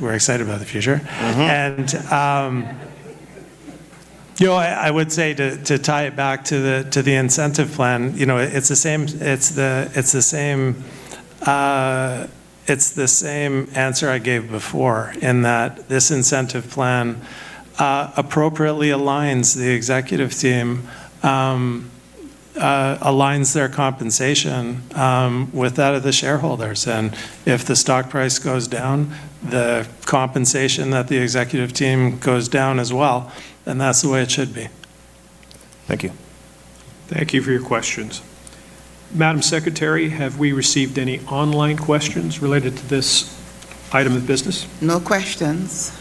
We're excited about the future. You know, I would say to tie it back to the, to the incentive plan, you know, it's the same answer I gave before in that this incentive plan appropriately aligns the executive team, aligns their compensation with that of the shareholders. If the stock price goes down, the compensation that the executive team goes down as well, and that's the way it should be. Thank you. Thank you for your questions. Madam Secretary, have we received any online questions related to this item of business? No questions.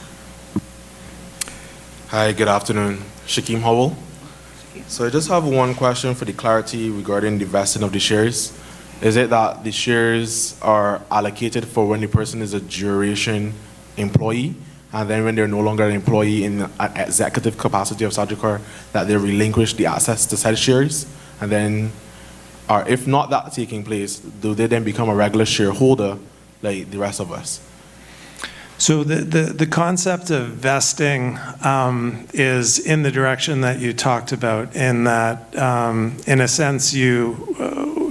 Hi, good afternoon. Shakeem Howell. I just have 1 question for the clarity regarding the vesting of the shares. Is it that the shares are allocated for when the person is a duration employee, and then when they're no longer an employee in an executive capacity of Sagicor, that they relinquish the access to said shares? If not that taking place, do they then become a regular shareholder like the rest of us? The concept of vesting is in the direction that you talked about in that, in a sense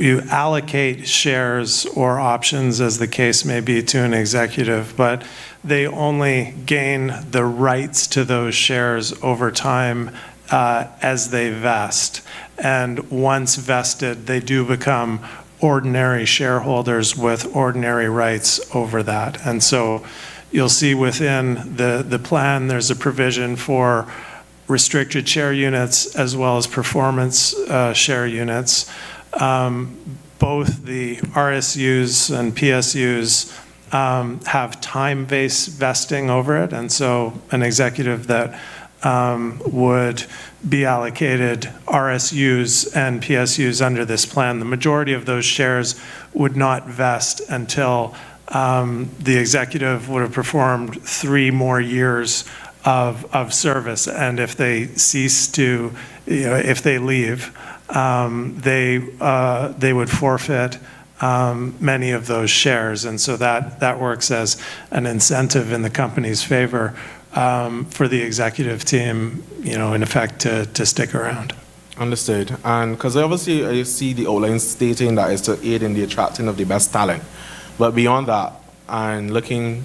you allocate shares or options as the case may be to an executive, but they only gain the rights to those shares over time as they vest. Once vested, they do become ordinary shareholders with ordinary rights over that. You'll see within the plan there's a provision for restricted share units as well as performance share units. Both the RSUs and PSUs have time-based vesting over it. An executive that would be allocated RSUs and PSUs under this plan, the majority of those shares would not vest until the executive would have performed three more years of service. If they leave, you know, they would forfeit many of those shares. That works as an incentive in the company's favor for the executive team, you know, in effect to stick around. Understood. Because obviously you see the online stating that is to aid in the attracting of the best talent. Beyond that, and looking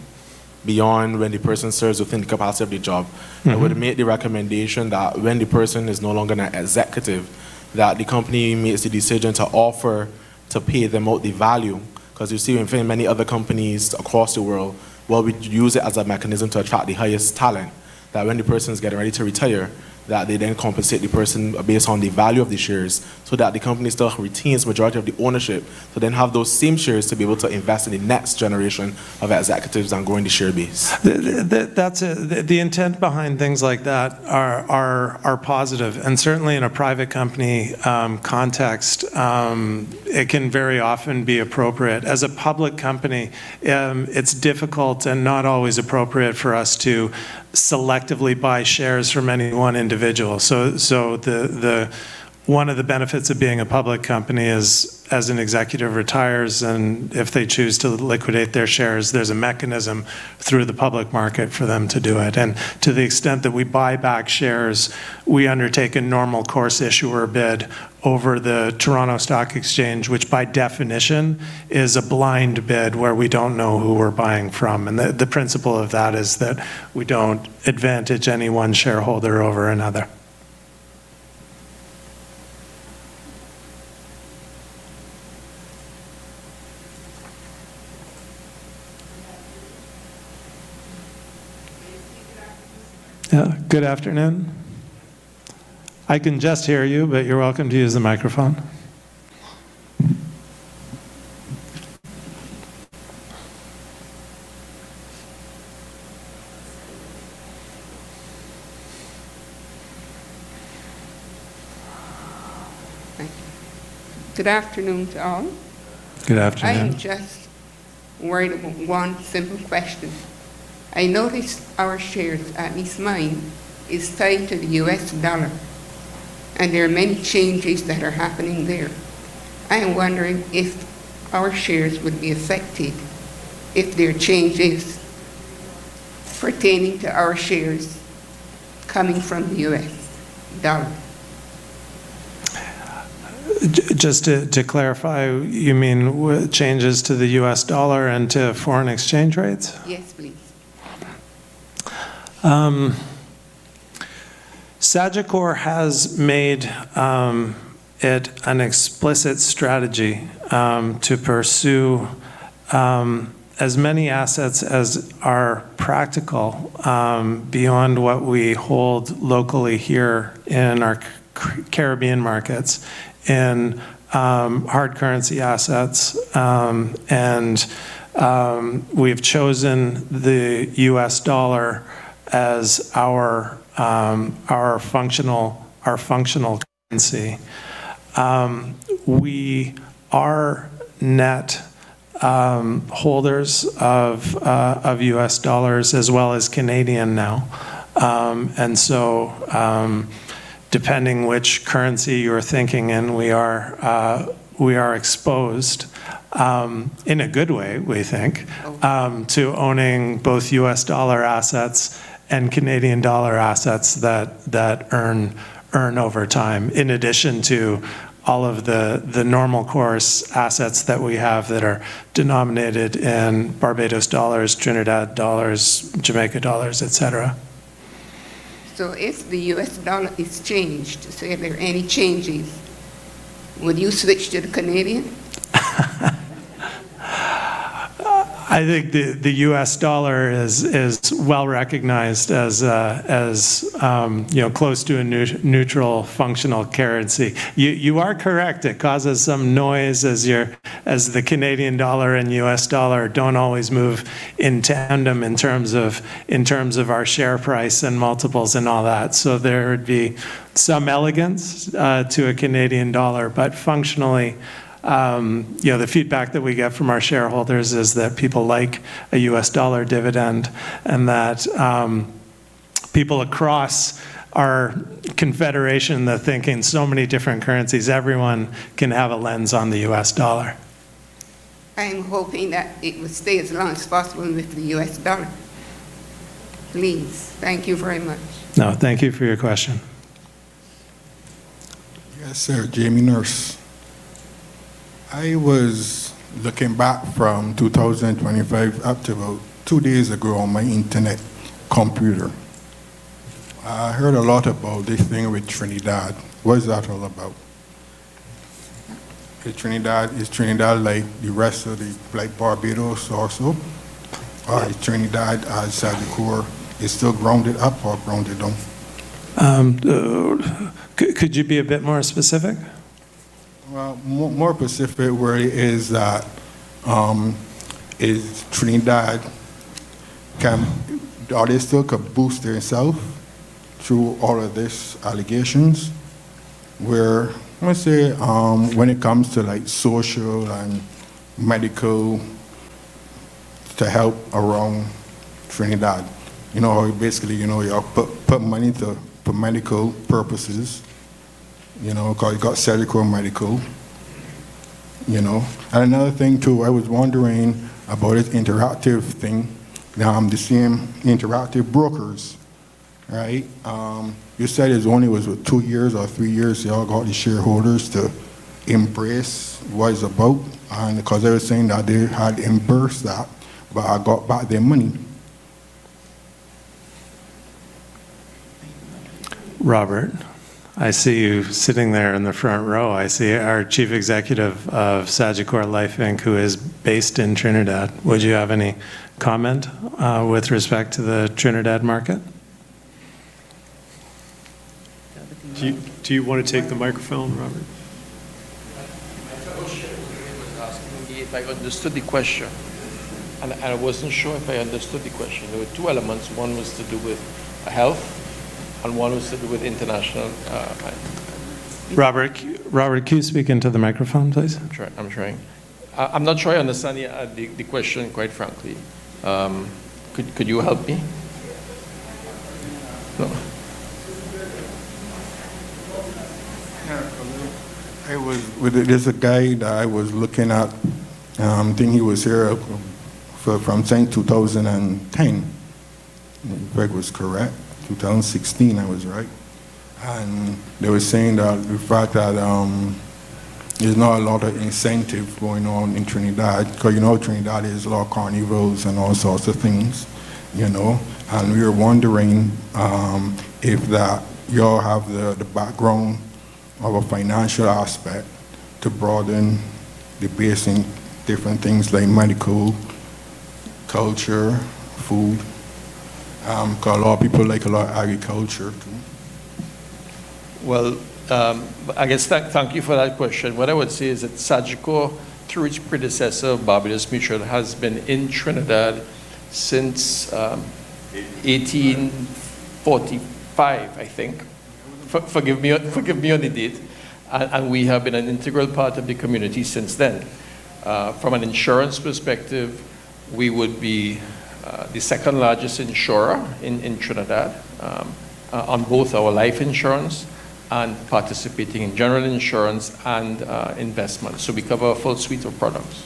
beyond when the person serves within the capacity job. I would make the recommendation that when the person is no longer an executive, that the company makes the decision to offer to pay them out the value. 'Cause you see in very many other companies across the world, while we use it as a mechanism to attract the highest talent, that when the person's getting ready to retire, that they then compensate the person based on the value of the shares so that the company still retains majority of the ownership to then have those same shares to be able to invest in the next generation of executives on going to share base. The intent behind things like that are positive. Certainly in a private company context, it can very often be appropriate. As a public company, it's difficult and not always appropriate for us to selectively buy shares from any one individual. One of the benefits of being a public company is as an executive retires and if they choose to liquidate their shares, there's a mechanism through the public market for them to do it. To the extent that we buy back shares, we undertake a normal course issuer bid over the Toronto Stock Exchange, which by definition is a blind bid where we don't know who we're buying from. The principle of that is that we don't advantage any one shareholder over another. Yeah. Good afternoon. I can just hear you, but you're welcome to use the microphone. Thank you. Good afternoon to all. Good afternoon. I am just worried about one simple question. I noticed our shares, at least mine, is tied to the U.S. dollar, and there are many changes that are happening there. I am wondering if our shares would be affected if there are changes pertaining to our shares coming from the U.S. dollar. Just to clarify, you mean changes to the U.S. dollar and to foreign exchange rates? Yes, please. Sagicor has made it an explicit strategy to pursue as many assets as are practical beyond what we hold locally here in our Caribbean markets in hard currency assets. We've chosen the U.S. dollar as our functional currency. We are net holders of U.S. dollars as well as Canadian now. Depending which currency you're thinking in, we are exposed in a good way, we think. Okay to owning both U.S. dollar assets and Canadian dollar assets that earn over time, in addition to all of the normal course assets that we have that are denominated in Barbados dollars, Trinidad dollars, Jamaica dollars, et cetera. If the U.S. dollar is changed, would you switch to the Canadian? I think the U.S. dollar is well-recognized as, you know, close to a neutral functional currency. You are correct. It causes some noise as the Canadian dollar and U.S. dollar don't always move in tandem in terms of our share price and multiples and all that. There would be some elegance to a Canadian dollar. Functionally, you know, the feedback that we get from our shareholders is that people like a U.S. dollar dividend and that people across our confederation, they're thinking so many different currencies. Everyone can have a lens on the U.S. dollar. I am hoping that it will stay as long as possible with the U.S. dollar. Please. Thank you very much. No, thank you for your question. Yes, sir. Jamie Nurse. I was looking back from 2025 up to about two days ago on my internet computer. I heard a lot about this thing with Trinidad. What is that all about? Is Trinidad like the rest of the, like Barbados also? Or is Trinidad, Sagicor is still grounded up or grounded down? Could you be a bit more specific? Well, more, more specific where is that, is Trinidad can Are they still could boost theirself through all of these allegations where, let me say, when it comes to like social and medical to help around Trinidad? You know, basically, you know, y'all put money to, for medical purposes. You know, 'cause you got Sagicor Medical, you know. Another thing too, I was wondering about this Interactive thing. Now I'm just seeing Interactive Brokers, right? You said it only was what, two years or three years y'all got the shareholders to embrace what is about, and because they were saying that they had reimbursed that, but I got back their money. Robert, I see you sitting there in the front row. I see our Chief Executive of Sagicor Life Inc., who is based in Trinidad. Would you have any comment with respect to the Trinidad market? Do you wanna take the microphone, Robert? My fellowship again was asking me if I understood the question, and I wasn't sure if I understood the question. There were two elements. One was to do with health, and one was to do with international. Robert, can you speak into the microphone, please? I'm trying. I'm not sure I understand the question, quite frankly. Could you help me? Yeah. No. There's a guy that I was looking at, think he was here from say 2010. If Greg was correct, 2016 I was right. They were saying that the fact that, there's not a lot of incentive going on in Trinidad, 'cause you know Trinidad is a lot of carnivals and all sorts of things, you know. We were wondering if y'all have the background of a financial aspect to broaden the base in different things like medical, culture, food, 'cause a lot of people like a lot of agriculture. Well, I guess thank you for that question. What I would say is that Sagicor, through its predecessor, Barbados Mutual, has been in Trinidad since 1845, I think. Forgive me on the date. We have been an integral part of the community since then. From an insurance perspective, we would be the second largest insurer in Trinidad on both our life insurance and participating in general insurance and investment. We cover a full suite of products.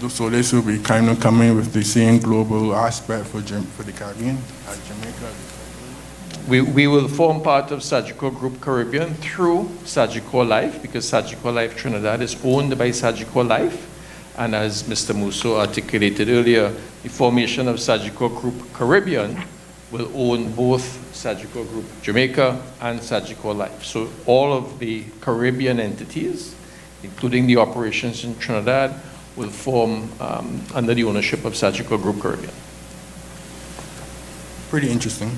This will be kind of coming with the same global aspect for the Caribbean and Jamaica as well. We will form part of Sagicor Group Caribbean through Sagicor Life because Sagicor Life Trinidad is owned by Sagicor Life, and as Mr. Mousseau articulated earlier, the formation of Sagicor Group Caribbean will own both Sagicor Group Jamaica and Sagicor Life. All of the Caribbean entities, including the operations in Trinidad, will form under the ownership of Sagicor Group Caribbean. Pretty interesting.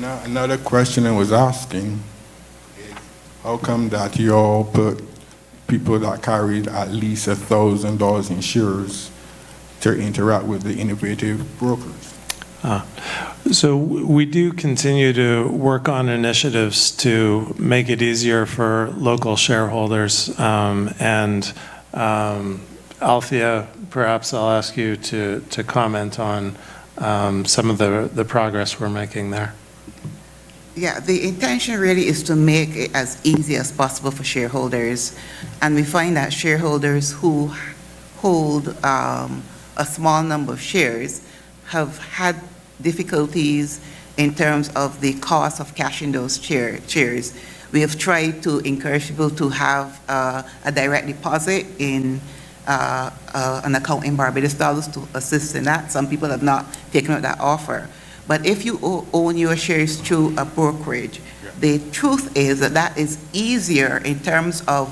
Now another question I was asking is how come that y'all put people that carried at least $1,000 insurance to interact with the Interactive Brokers? We do continue to work on initiatives to make it easier for local shareholders, and Althea, perhaps I'll ask you to comment on some of the progress we're making there. Yeah. The intention really is to make it as easy as possible for shareholders. We find that shareholders who hold a small number of shares have had difficulties in terms of the cost of cashing those shares. We have tried to encourage people to have a direct deposit in an account in Barbados dollars to assist in that. Some people have not taken up that offer. If you own your shares through a brokerage. Yeah the truth is that that is easier in terms of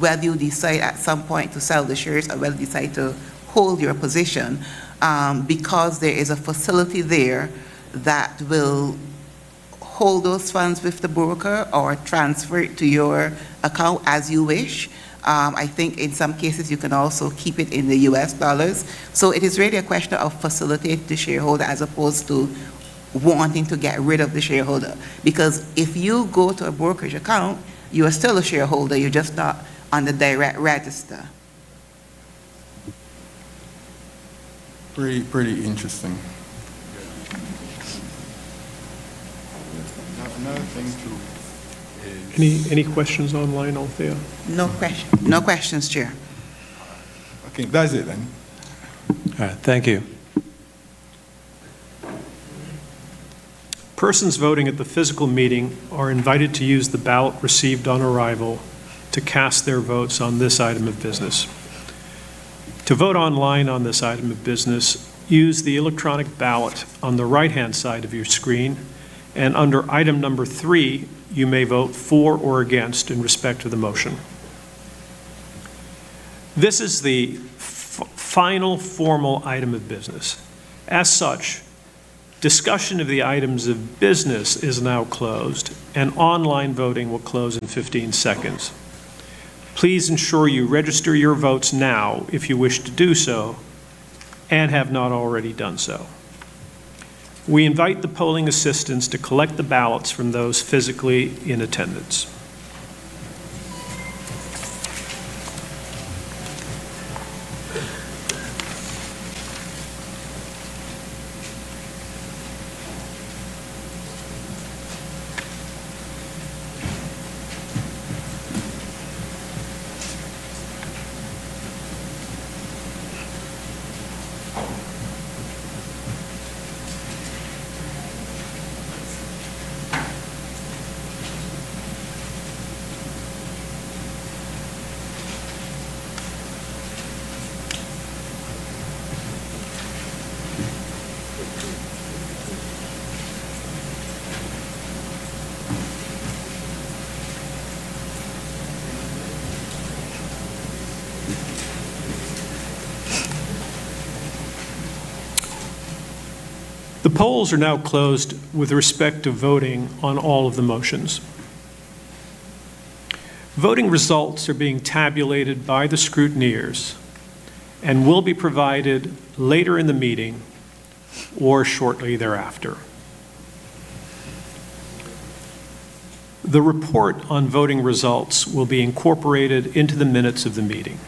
whether you decide at some point to sell the shares or whether you decide to hold your position, because there is a facility there that will hold those funds with the broker or transfer it to your account as you wish. I think in some cases you can also keep it in the U.S. dollars. It is really a question of facilitating the shareholder as opposed to wanting to get rid of the shareholder. Because if you go to a brokerage account, you are still a shareholder, you're just not on the direct register. Pretty interesting. Another thing too is- Any questions online, Althea? No questions, Chair. Okay. That's it then. All right. Thank you. Persons voting at the physical meeting are invited to use the ballot received on arrival to cast their votes on this item of business. To vote online on this item of business, use the electronic ballot on the right-hand side of your screen, and under item number three, you may vote for or against in respect to the motion. This is the final formal item of business. As such, discussion of the items of business is now closed, and online voting will close in 15 seconds. Please ensure you register your votes now if you wish to do so and have not already done so. We invite the polling assistants to collect the ballots from those physically in attendance. The polls are now closed with respect to voting on all of the motions. Voting results are being tabulated by the scrutineers and will be provided later in the meeting or shortly thereafter. The report on voting results will be incorporated into the minutes of the meeting.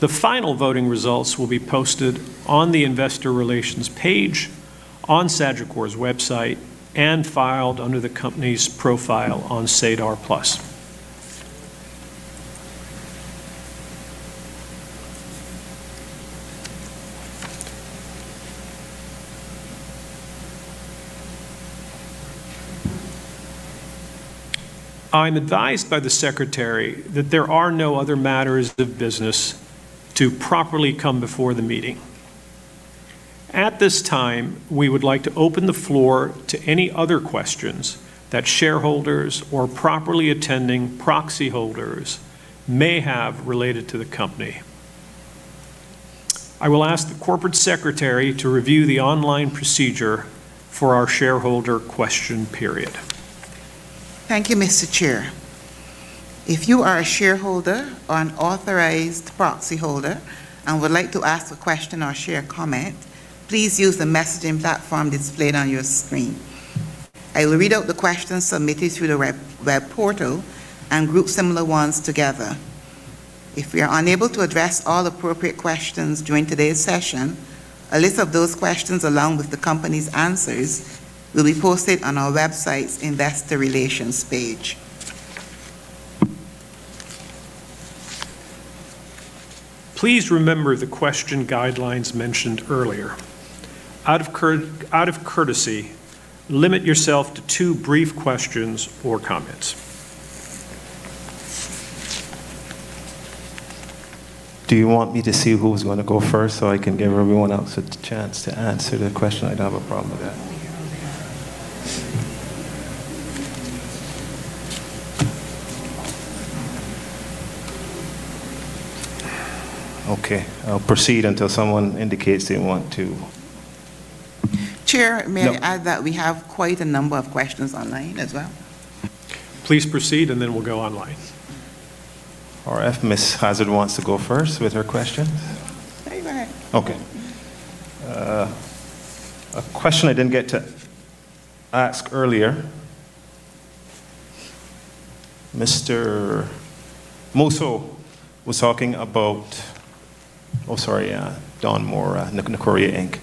The final voting results will be posted on the investor relations page, on Sagicor's website, and filed under the company's profile on SEDAR+. I'm advised by the secretary that there are no other matters of business to properly come before the meeting. At this time, we would like to open the floor to any other questions that shareholders or properly attending proxy holders may have related to the company. I will ask the corporate secretary to review the online procedure for our shareholder question period. Thank you, Mr. Chair. If you are a shareholder or an authorized proxy holder and would like to ask a question or share a comment, please use the messaging platform displayed on your screen. I will read out the questions submitted through the web portal and group similar ones together. If we are unable to address all appropriate questions during today's session, a list of those questions along with the company's answers will be posted on our website's investor relations page. Please remember the question guidelines mentioned earlier. Out of courtesy, limit yourself to two brief questions or comments. Do you want me to see who's gonna go first so I can give everyone else a chance to answer the question? I'd have a problem with that. Okay, I'll proceed until someone indicates they want to. Chair, may I add that we have quite a number of questions online as well. Please proceed, and then we'll go online. If Ms. Hazzard wants to go first with her questions. No, you go ahead. Okay. A question I didn't get to ask earlier. Mr. Mousseau, sorry, Don Moore, [Nokoria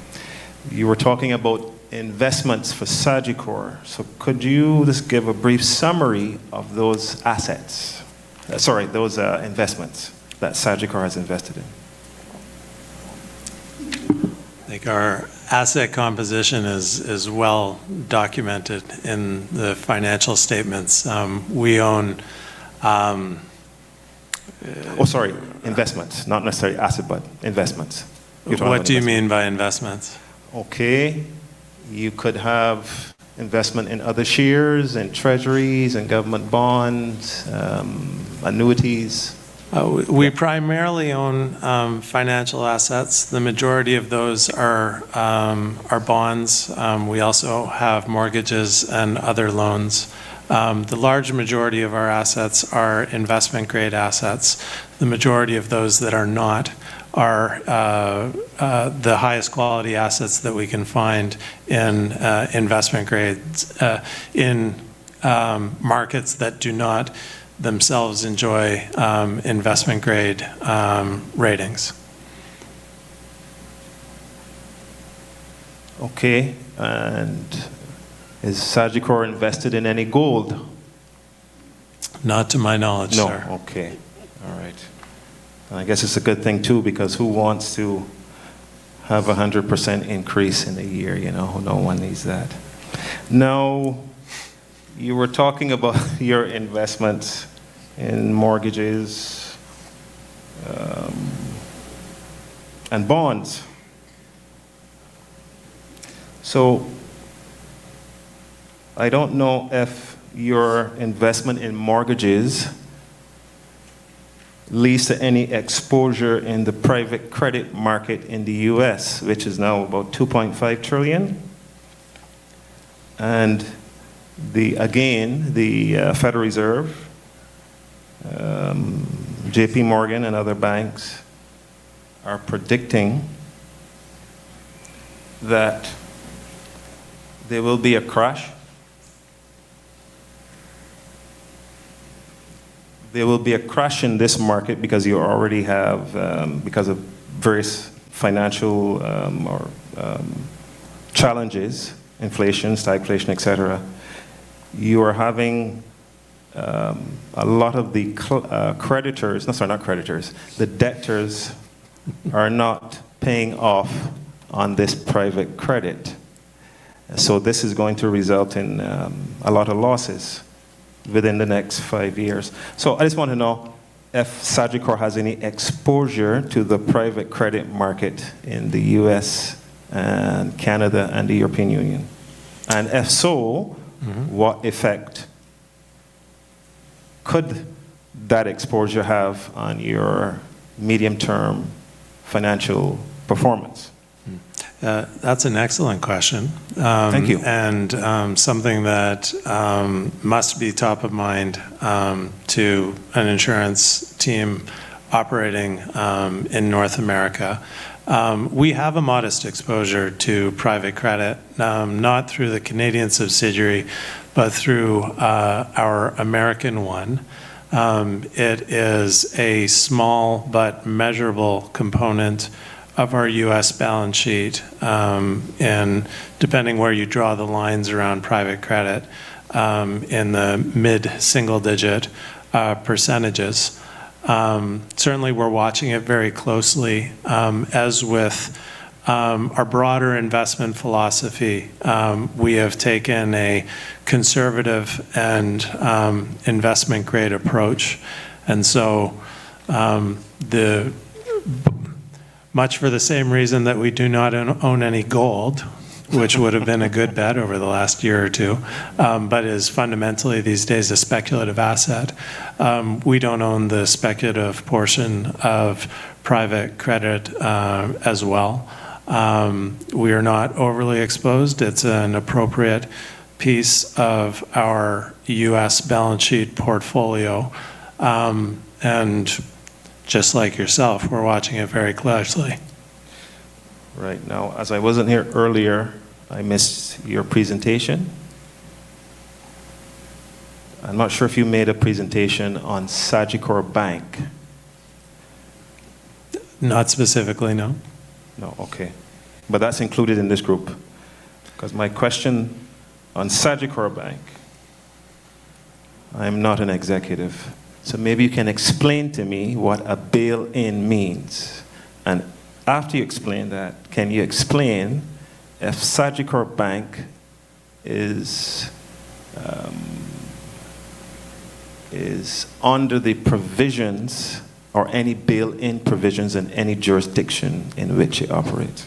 Inc], you were talking about investments for Sagicor, so could you just give a brief summary of those assets, sorry, those investments that Sagicor has invested in? I think our asset composition is well documented in the financial statements. Oh, sorry, investments, not necessarily asset, but investments. You talk about investments. What do you mean by investments? Okay. You could have investment in other shares and treasuries and government bonds, annuities. We primarily own financial assets. The majority of those are bonds. We also have mortgages and other loans. The large majority of our assets are investment-grade assets. The majority of those that are not are the highest quality assets that we can find in investment grades in markets that do not themselves enjoy investment-grade ratings. Okay. Is Sagicor invested in any gold? Not to my knowledge, sir. No. Okay. All right. I guess it's a good thing too, because who wants to have a 100% increase in a year, you know? No one needs that. Now, you were talking about your investments in mortgages and bonds. I don't know if your investment in mortgages leads to any exposure in the private credit market in the U.S., which is now about $2.5 trillion. The, again, the Federal Reserve, JPMorgan and other banks are predicting that there will be a crash. There will be a crash in this market because you already have, because of various financial, or challenges, inflation, stagflation, et cetera. You are having a lot of the creditors No, sorry, not creditors. The debtors are not paying off on this private credit, this is going to result in a lot of losses within the next five years. I just wanna know if Sagicor has any exposure to the private credit market in the U.S. and Canada and the European Union. If so what effect could that exposure have on your medium-term financial performance? That's an excellent question. Thank you. Something that must be top of mind to an insurance team operating in North America. We have a modest exposure to private credit, not through the Canadian subsidiary, but through our American one. It is a small but measurable component of our U.S. balance sheet, and depending where you draw the lines around private credit, in the mid-single-digit percentages. Certainly we're watching it very closely. As with our broader investment philosophy, we have taken a conservative and investment-grade approach. Much for the same reason that we do not own any gold, which would've been a good bet over the last year or two, but is fundamentally these days a speculative asset. We don't own the speculative portion of private credit as well. We are not overly exposed. It's an appropriate piece of our U.S. balance sheet portfolio. Just like yourself, we're watching it very closely. Right. Now, as I wasn't here earlier, I missed your presentation. I'm not sure if you made a presentation on Sagicor Bank. Not specifically, no. No. Okay. That's included in this group? 'Cause my question on Sagicor Bank. I'm not an executive, maybe you can explain to me what a bail-in means. After you explain that, can you explain if Sagicor Bank is under the provisions or any bail-in provisions in any jurisdiction in which it operates?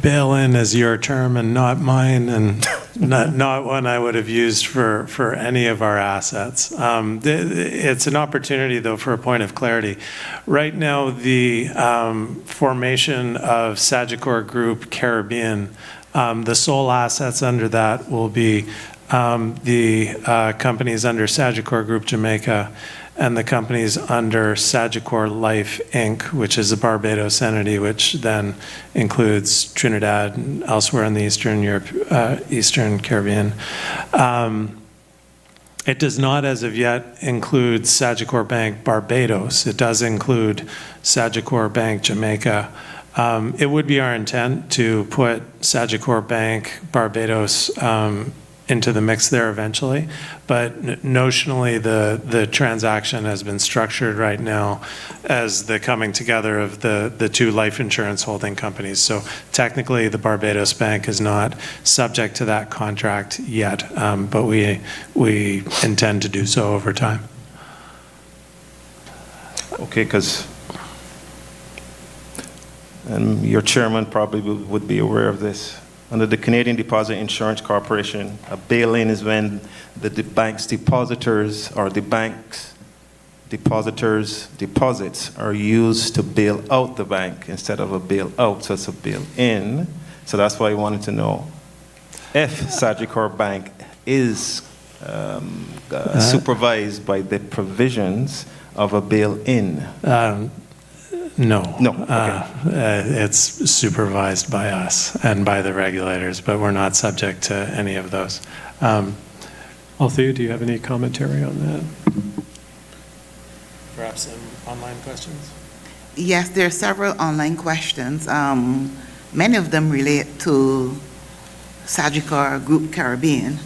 Bail-in is your term and not mine, not one I would have used for any of our assets. It's an opportunity though for a point of clarity. Right now, the formation of Sagicor Group Caribbean, the sole assets under that will be the companies under Sagicor Group Jamaica and the companies under Sagicor Life Inc., which is a Barbados entity, which then includes Trinidad and elsewhere in the Eastern Caribbean. It does not as of yet include Sagicor Bank Barbados. It does include Sagicor Bank Jamaica. It would be our intent to put Sagicor Bank Barbados into the mix there eventually. Notionally, the transaction has been structured right now as the coming together of the two life insurance holding companies. Technically, the Barbados Bank is not subject to that contract yet. We intend to do so over time. Okay, 'cause your chairman probably would be aware of this. Under the Canada Deposit Insurance Corporation, a bail-in is when the bank's depositors or the bank's depositors' deposits are used to bail out the bank instead of a bail out, so it's a bail in. That's why I wanted to know if Sagicor Bank is supervised by the provisions of a bail-in. No. No. Okay. It's supervised by us and by the regulators, but we're not subject to any of those. Althea, do you have any commentary on that? Perhaps some online questions? Yes, there are several online questions. Many of them relate to Sagicor Group Caribbean.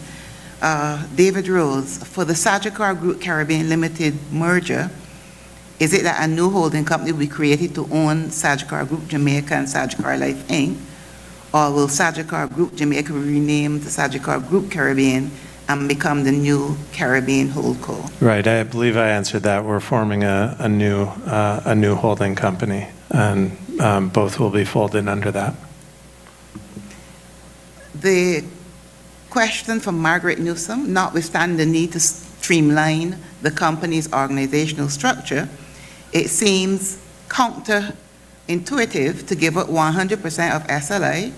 David Rose, for the Sagicor Group Caribbean Limited merger, is it that a new holding company will be created to own Sagicor Group Jamaica and Sagicor Life Inc., or will Sagicor Group Jamaica rename to Sagicor Group Caribbean and become the new Caribbean holdco? Right. I believe I answered that. We're forming a new holding company. Both will be folded under that. The question from Margaret Newsome, notwithstanding the need to streamline the company's organizational structure, it seems counterintuitive to give up 100% of SLA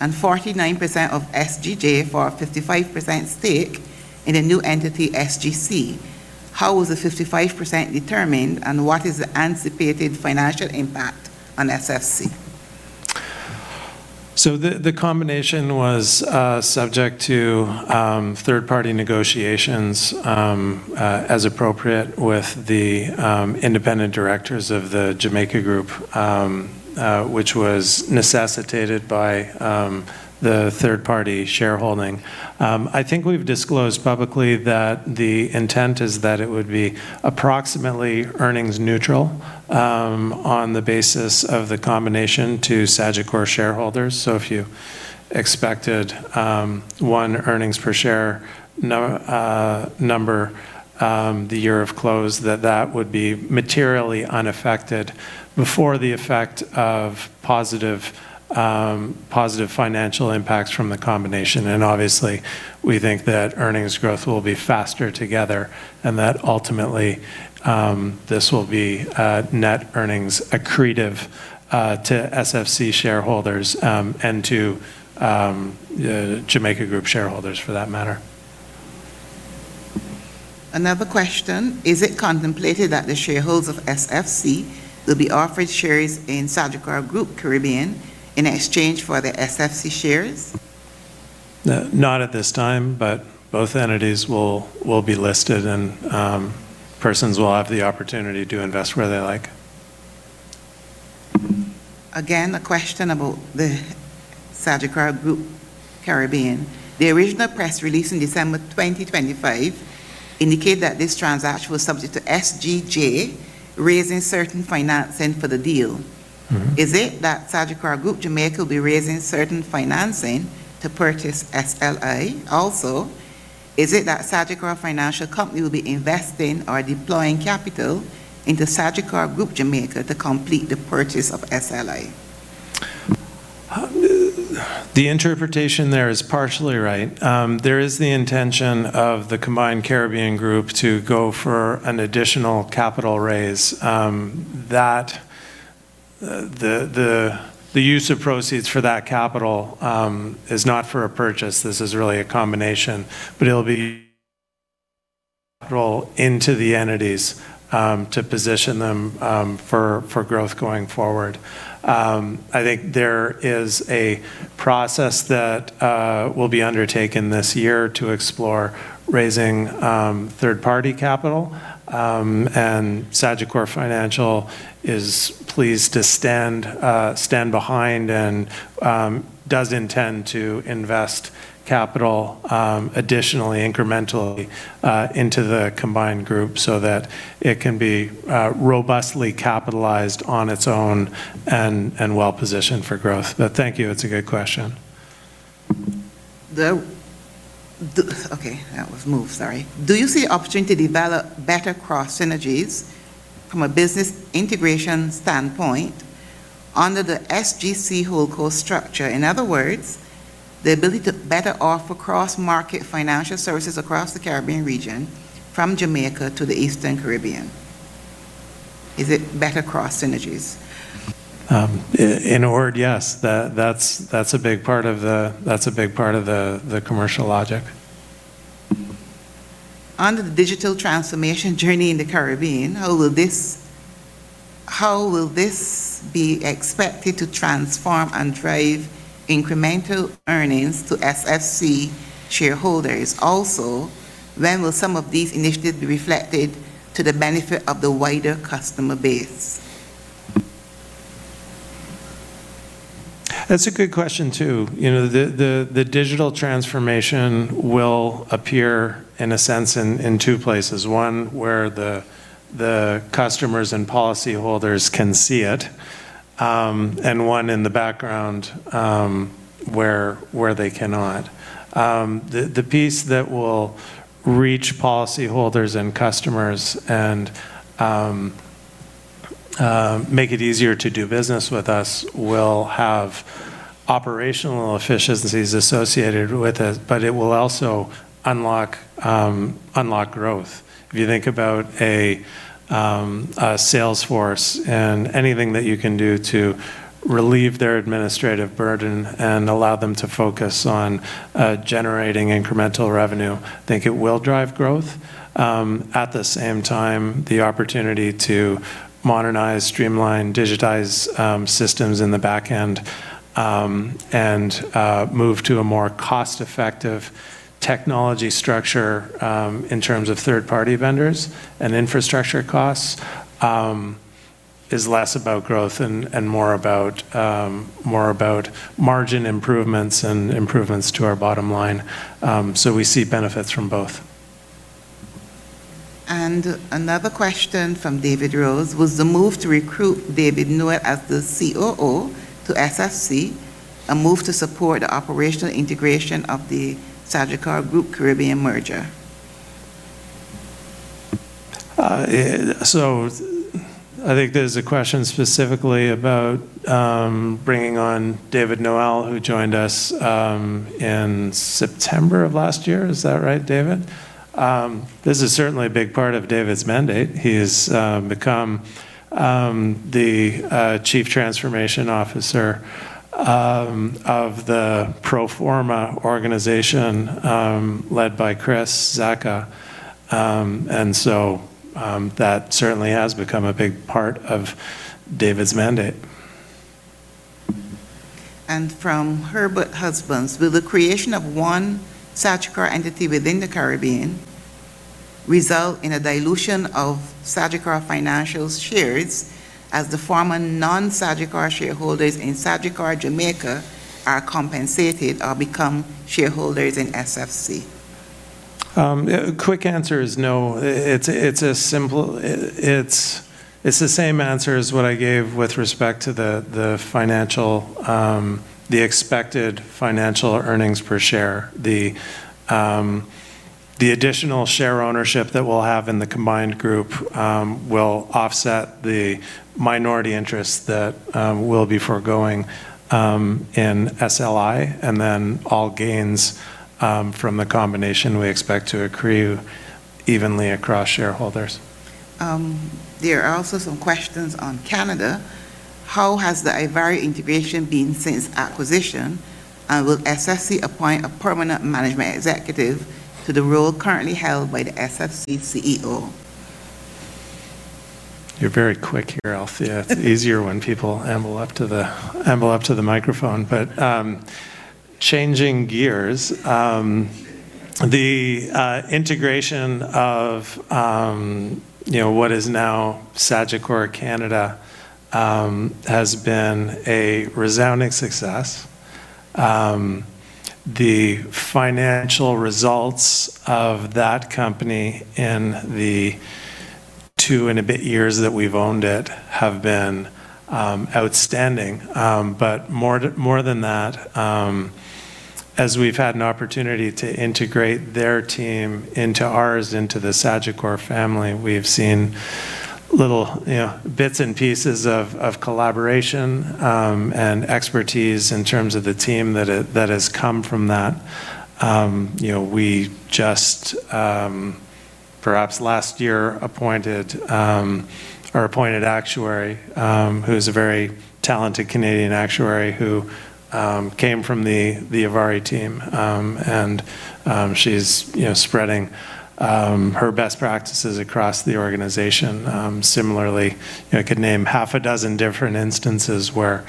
and 49% of SGJ for a 55% stake in a new entity, SGC. How was the 55% determined, and what is the anticipated financial impact on SFC? The combination was subject to third-party negotiations as appropriate with the independent directors of the Jamaica Group which was necessitated by the third party shareholding. I think we've disclosed publicly that the intent is that it would be approximately earnings neutral on the basis of the combination to Sagicor shareholders. If you expected one earnings per share number the year of close, that would be materially unaffected before the effect of positive financial impacts from the combination. Obviously, we think that earnings growth will be faster together and that ultimately, this will be net earnings accretive to SFC shareholders and to Jamaica Group shareholders for that matter. Another question. Is it contemplated that the shareholders of SFC will be offered shares in Sagicor Group Caribbean in exchange for the SFC shares? Not at this time, but both entities will be listed and persons will have the opportunity to invest where they like. A question about the Sagicor Group Caribbean. The original press release in December 2025 indicate that this transaction was subject to SGJ raising certain financing for the deal. Is it that Sagicor Group Jamaica will be raising certain financing to purchase SLA? Is it that Sagicor Financial Company will be investing or deploying capital into Sagicor Group Jamaica to complete the purchase of SLA? The interpretation there is partially right. There is the intention of the combined Caribbean group to go for an additional capital raise. The use of proceeds for that capital is not for a purchase. This is really a combination. It'll be <audio distortion> into the entities to position them for growth going forward. I think there is a process that will be undertaken this year to explore raising third-party capital. Sagicor Financial is pleased to stand behind and does intend to invest capital additionally, incrementally into the combined group so that it can be robustly capitalized on its own and well-positioned for growth. Thank you. It's a good question. The, okay, that was move, sorry. Do you see opportunity to develop better cross synergies from a business integration standpoint under the SGC holdco structure? In other words, the ability to better offer cross-market financial services across the Caribbean region from Jamaica to the Eastern Caribbean. Is it better cross synergies? In a word, yes. That's a big part of the commercial logic. Under the digital transformation journey in the Caribbean, how will this be expected to transform and drive incremental earnings to SFC shareholders? When will some of these initiatives be reflected to the benefit of the wider customer base? That's a good question, too. You know, the digital transformation will appear in a sense in two places. One where the customers and policy holders can see it, and one in the background where they cannot. The piece that will reach policy holders and customers and make it easier to do business with us will have operational efficiencies associated with it, but it will also unlock growth. If you think about a sales force and anything that you can do to relieve their administrative burden and allow them to focus on generating incremental revenue, I think it will drive growth. At the same time, the opportunity to modernize, streamline, digitize, systems in the back end, and move to a more cost-effective technology structure, in terms of third-party vendors and infrastructure costs, is less about growth and more about margin improvements and improvements to our bottom line. We see benefits from both. Another question from David Rose. Was the move to recruit David Noel as the COO to SFC a move to support the operational integration of the Sagicor Group Caribbean merger? Yeah, so I think there's a question specifically about bringing on David Noel, who joined us in September of last year. Is that right, David? This is certainly a big part of David's mandate. He's become the Chief Transformation Officer of the pro forma organization led by Chris Zacca. That certainly has become a big part of David's mandate. From Herbert Husbands, will the creation of one Sagicor entity within the Caribbean result in a dilution of Sagicor Financial shares as the former non-Sagicor shareholders in Sagicor Jamaica are compensated or become shareholders in SFC? Quick answer is no. It's a simple, it's the same answer as what I gave with respect to the financial, the expected financial earnings per share. The additional share ownership that we'll have in the combined group will offset the minority interest that we'll be foregoing in SLI, and then all gains from the combination we expect to accrue evenly across shareholders. There are also some questions on Canada. How has the ivari integration been since acquisition, and will SFC appoint a permanent management executive to the role currently held by the SFC CEO? You're very quick here, Althea. It's easier when people amble up to the microphone. Changing gears, the integration of, you know, what is now Sagicor Canada, has been a resounding success. The financial results of that company in the two and a bit years that we've owned it have been outstanding. More than that, as we've had an opportunity to integrate their team into ours, into the Sagicor family, we've seen little, you know, bits and pieces of collaboration, and expertise in terms of the team that has come from that. You know, we just, perhaps last year appointed our appointed actuary, who's a very talented Canadian actuary who came from the ivari team. She's, you know, spreading her best practices across the organization. Similarly, you know, could name half a dozen different instances where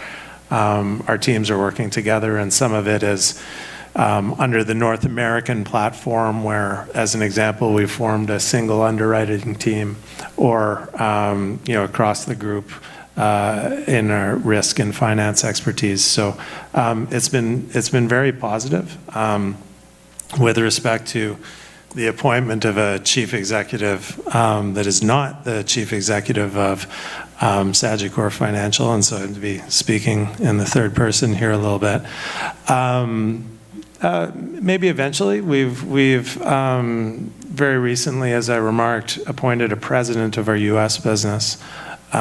our teams are working together, and some of it is under the North American platform where, as an example, we formed a single underwriting team or, you know, across the group, in our risk and finance expertise. It's been very positive. With respect to the appointment of a chief executive, that is not the chief executive of Sagicor Financial, I have to be speaking in the third person here a little bit. Maybe eventually. We've very recently, as I remarked, appointed a president of our U.S. business. It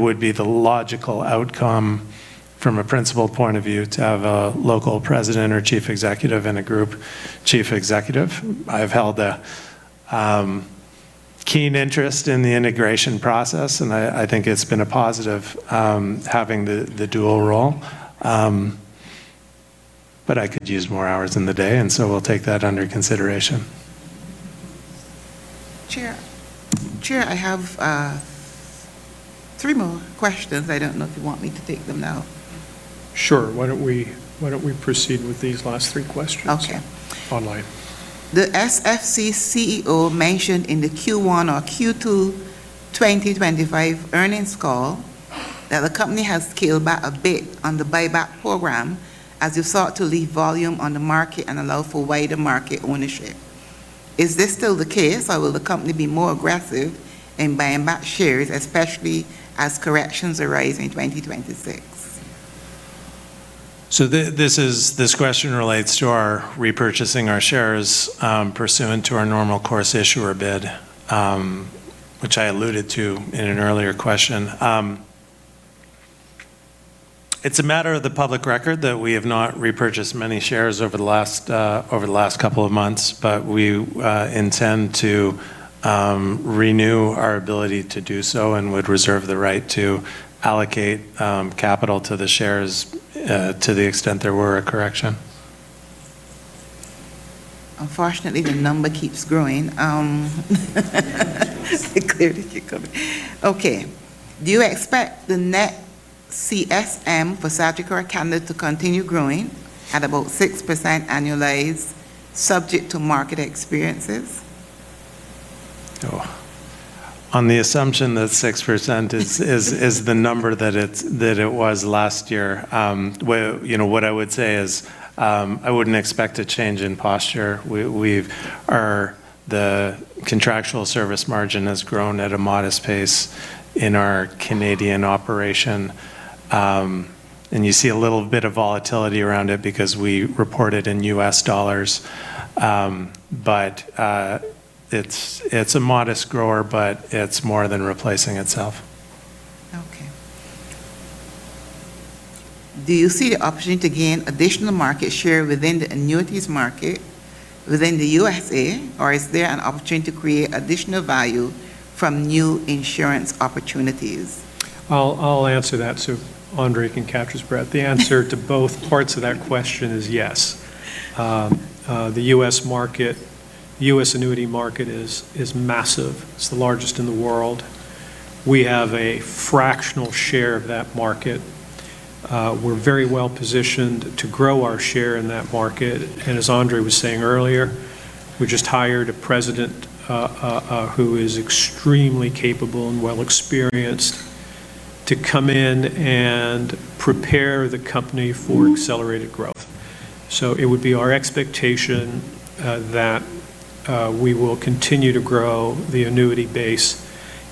would be the logical outcome from a principal point of view to have a local president or chief executive and a group chief executive. I've held a keen interest in the integration process, and I think it's been a positive, having the dual role. I could use more hours in the day, and so we'll take that under consideration. Chair, I have three more questions. I don't know if you want me to take them now. Sure. Why don't we proceed with these last three questions. Okay online. The SFC CEO mentioned in the Q1 or Q2 2025 earnings call that the company has scaled back a bit on the buyback program as you sought to leave volume on the market and allow for wider market ownership. Is this still the case, or will the company be more aggressive in buying back shares, especially as corrections arise in 2026? This question relates to our repurchasing our shares, pursuant to our normal course issuer bid, which I alluded to in an earlier question. It's a matter of the public record that we have not repurchased many shares over the last, over the last couple of months, but we intend to renew our ability to do so and would reserve the right to allocate capital to the shares to the extent there were a correction. Unfortunately, the number keeps growing. They clearly keep coming. Okay. Do you expect the net CSM for Sagicor Canada to continue growing at about 6% annualized, subject to market experiences? On the assumption that 6% is the number that it was last year, well, you know, what I would say is, I wouldn't expect a change in posture. The contractual service margin has grown at a modest pace in our Canadian operation. You see a little bit of volatility around it because we report it in U.S. dollars. It's a modest grower, but it's more than replacing itself. Okay. Do you see the opportunity to gain additional market share within the annuities market within the USA, or is there an opportunity to create additional value from new insurance opportunities? I'll answer that so Andre can catch his breath. The answer to both parts of that question is yes. The U.S. market, the U.S. annuity market is massive. It's the largest in the world. We have a fractional share of that market. We're very well-positioned to grow our share in that market. As Andre was saying earlier, we just hired a president, who is extremely capable and well experienced to come in and prepare the company for accelerated growth. It would be our expectation, that we will continue to grow the annuity base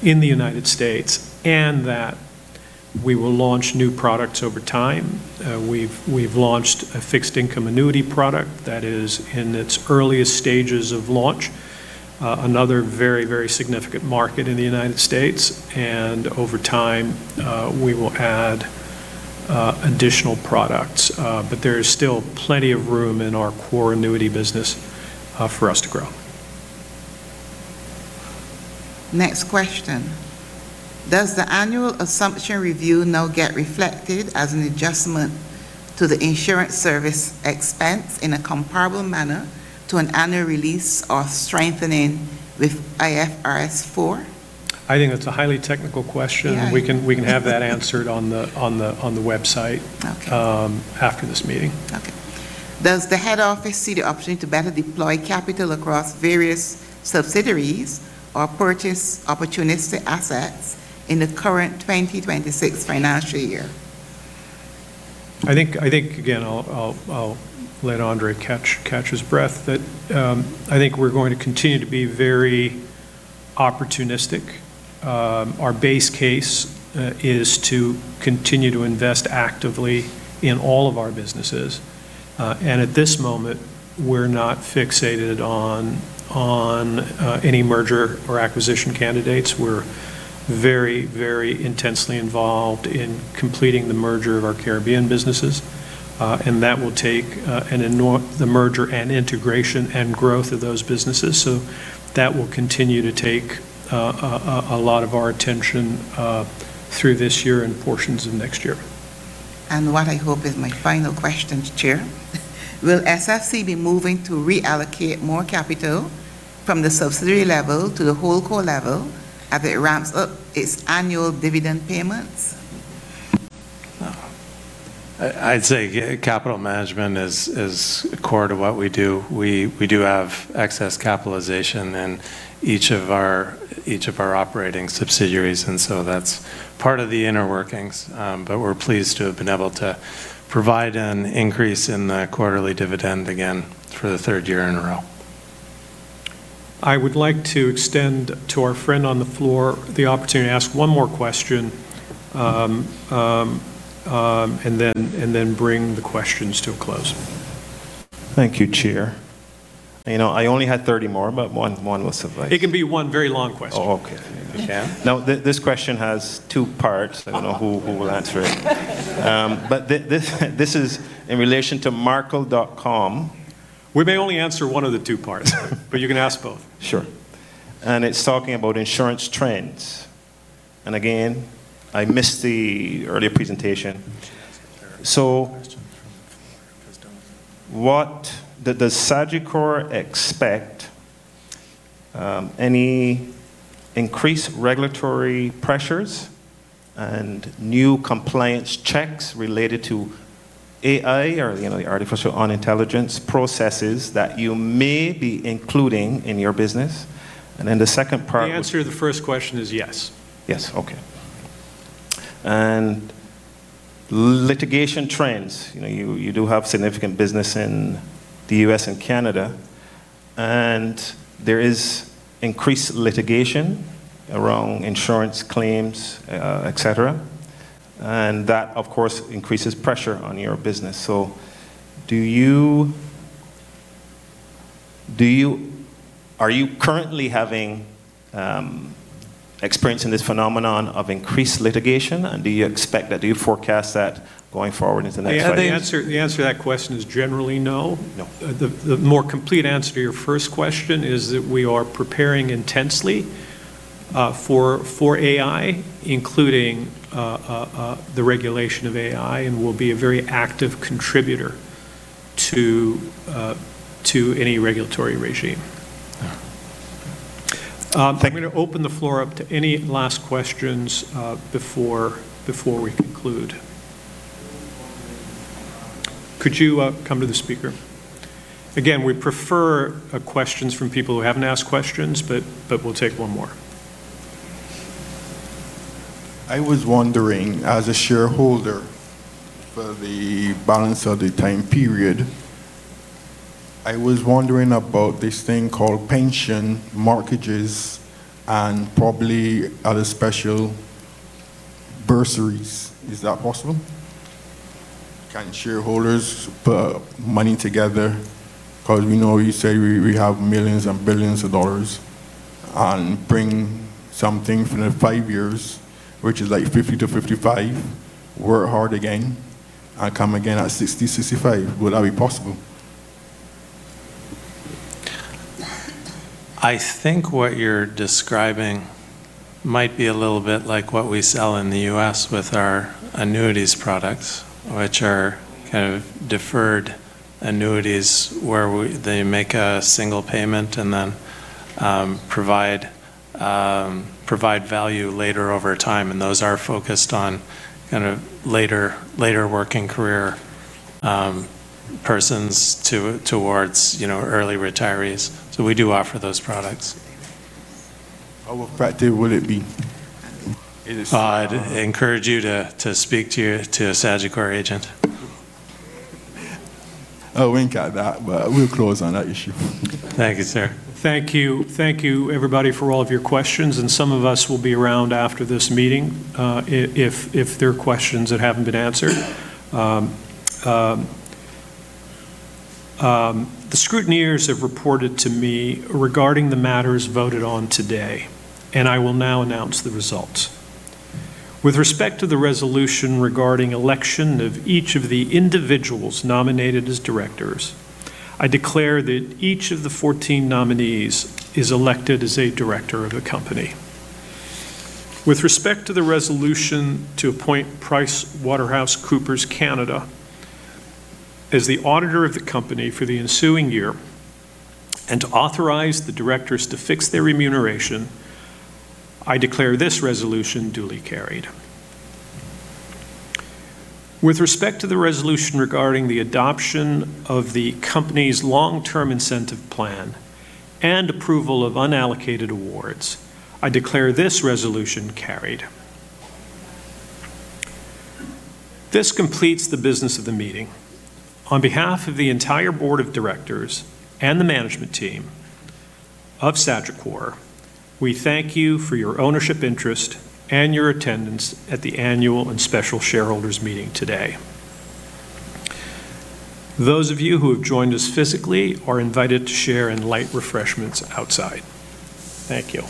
in the United States, and that we will launch new products over time. We've launched a fixed income annuity product that is in its earliest stages of launch, another very significant market in the United States. Over time, we will add additional products. There is still plenty of room in our core annuity business, for us to grow. Next question. Does the annual assumption review now get reflected as an adjustment to the insurance service expense in a comparable manner to an annual release or strengthening with IFRS 4? I think that's a highly technical question. Yeah. We can have that answered on the website. Okay After this meeting. Okay. Does the head office see the opportunity to better deploy capital across various subsidiaries or purchase opportunistic assets in the current 2026 financial year? I think, again, I'll let Andre catch his breath. I think we're going to continue to be very opportunistic. Our base case is to continue to invest actively in all of our businesses. At this moment, we're not fixated on any merger or acquisition candidates. We're very intensely involved in completing the merger of our Caribbean businesses. That will take the merger and integration and growth of those businesses. That will continue to take a lot of our attention through this year and portions of next year. What I hope is my final question, Chair. Will SFC be moving to reallocate more capital from the subsidiary level to the whole core level as it ramps up its annual dividend payments? I'd say capital management is core to what we do. We do have excess capitalization in each of our operating subsidiaries. That's part of the inner workings. We're pleased to have been able to provide an increase in the quarterly dividend again for the third year in a row. I would like to extend to our friend on the floor the opportunity to ask one more question and then bring the questions to a close. Thank you, Chair. You know, I only had 30 more, but one will suffice. It can be one very long question. Oh, okay. If you can. This question has two parts. I don't know who will answer it. This is in relation to markel.com. We may only answer one of the two parts. You can ask both. Sure. It's talking about insurance trends. Again, I missed the earlier presentation. Does Sagicor expect, any increased regulatory pressures and new compliance checks related to AI or, you know, the artificial intelligence processes that you may be including in your business? The answer to the first question is yes. Yes. Okay. Litigation trends. You know, you do have significant business in the U.S. and Canada, and there is increased litigation around insurance claims, et cetera, and that, of course, increases pressure on your business. Are you currently having experience in this phenomenon of increased litigation, and do you expect that, do you forecast that going forward as the next thing? The answer to that question is generally no. No. The more complete answer to your first question is that we are preparing intensely, for AI, including, the regulation of AI, and we'll be a very active contributor to any regulatory regime. Yeah. Thank you. I'm gonna open the floor up to any last questions before we conclude. Could you come to the speaker? Again, we prefer questions from people who haven't asked questions, but we'll take one more. I was wondering, as a shareholder for the balance of the time period, I was wondering about this thing called pension mortgages and probably other special bursaries. Is that possible? Can shareholders put money together? 'Cause we know you say we have millions and billions of dollars, and bring something for the five years, which is, like, 50-55, work hard again, and come again at 60, 65. Would that be possible? I think what you're describing might be a little bit like what we sell in the U.S. with our annuities products, which are kind of deferred annuities where we, they make a single payment and then, provide value later over time, and those are focused on kind of later working career, persons towards, you know, early retirees. We do offer those products. How effective would it be? I'd encourage you to speak to a Sagicor agent. Oh, we ain't got that, but we'll close on that issue. Thank you, sir. Thank you. Thank you, everybody, for all of your questions, and some of us will be around after this meeting, if there are questions that haven't been answered. The scrutineers have reported to me regarding the matters voted on today, and I will now announce the results. With respect to the resolution regarding election of each of the individuals nominated as directors, I declare that each of the 14 nominees is elected as a director of the company. With respect to the resolution to appoint PricewaterhouseCoopers LLP as the auditor of the company for the ensuing year and to authorize the directors to fix their remuneration, I declare this resolution duly carried. With respect to the resolution regarding the adoption of the company's Long-Term Incentive Plan and approval of unallocated awards, I declare this resolution carried. This completes the business of the meeting. On behalf of the entire board of directors and the management team of Sagicor, we thank you for your ownership interest and your attendance at the annual and special shareholders meeting today. Those of you who have joined us physically are invited to share in light refreshments outside. Thank you.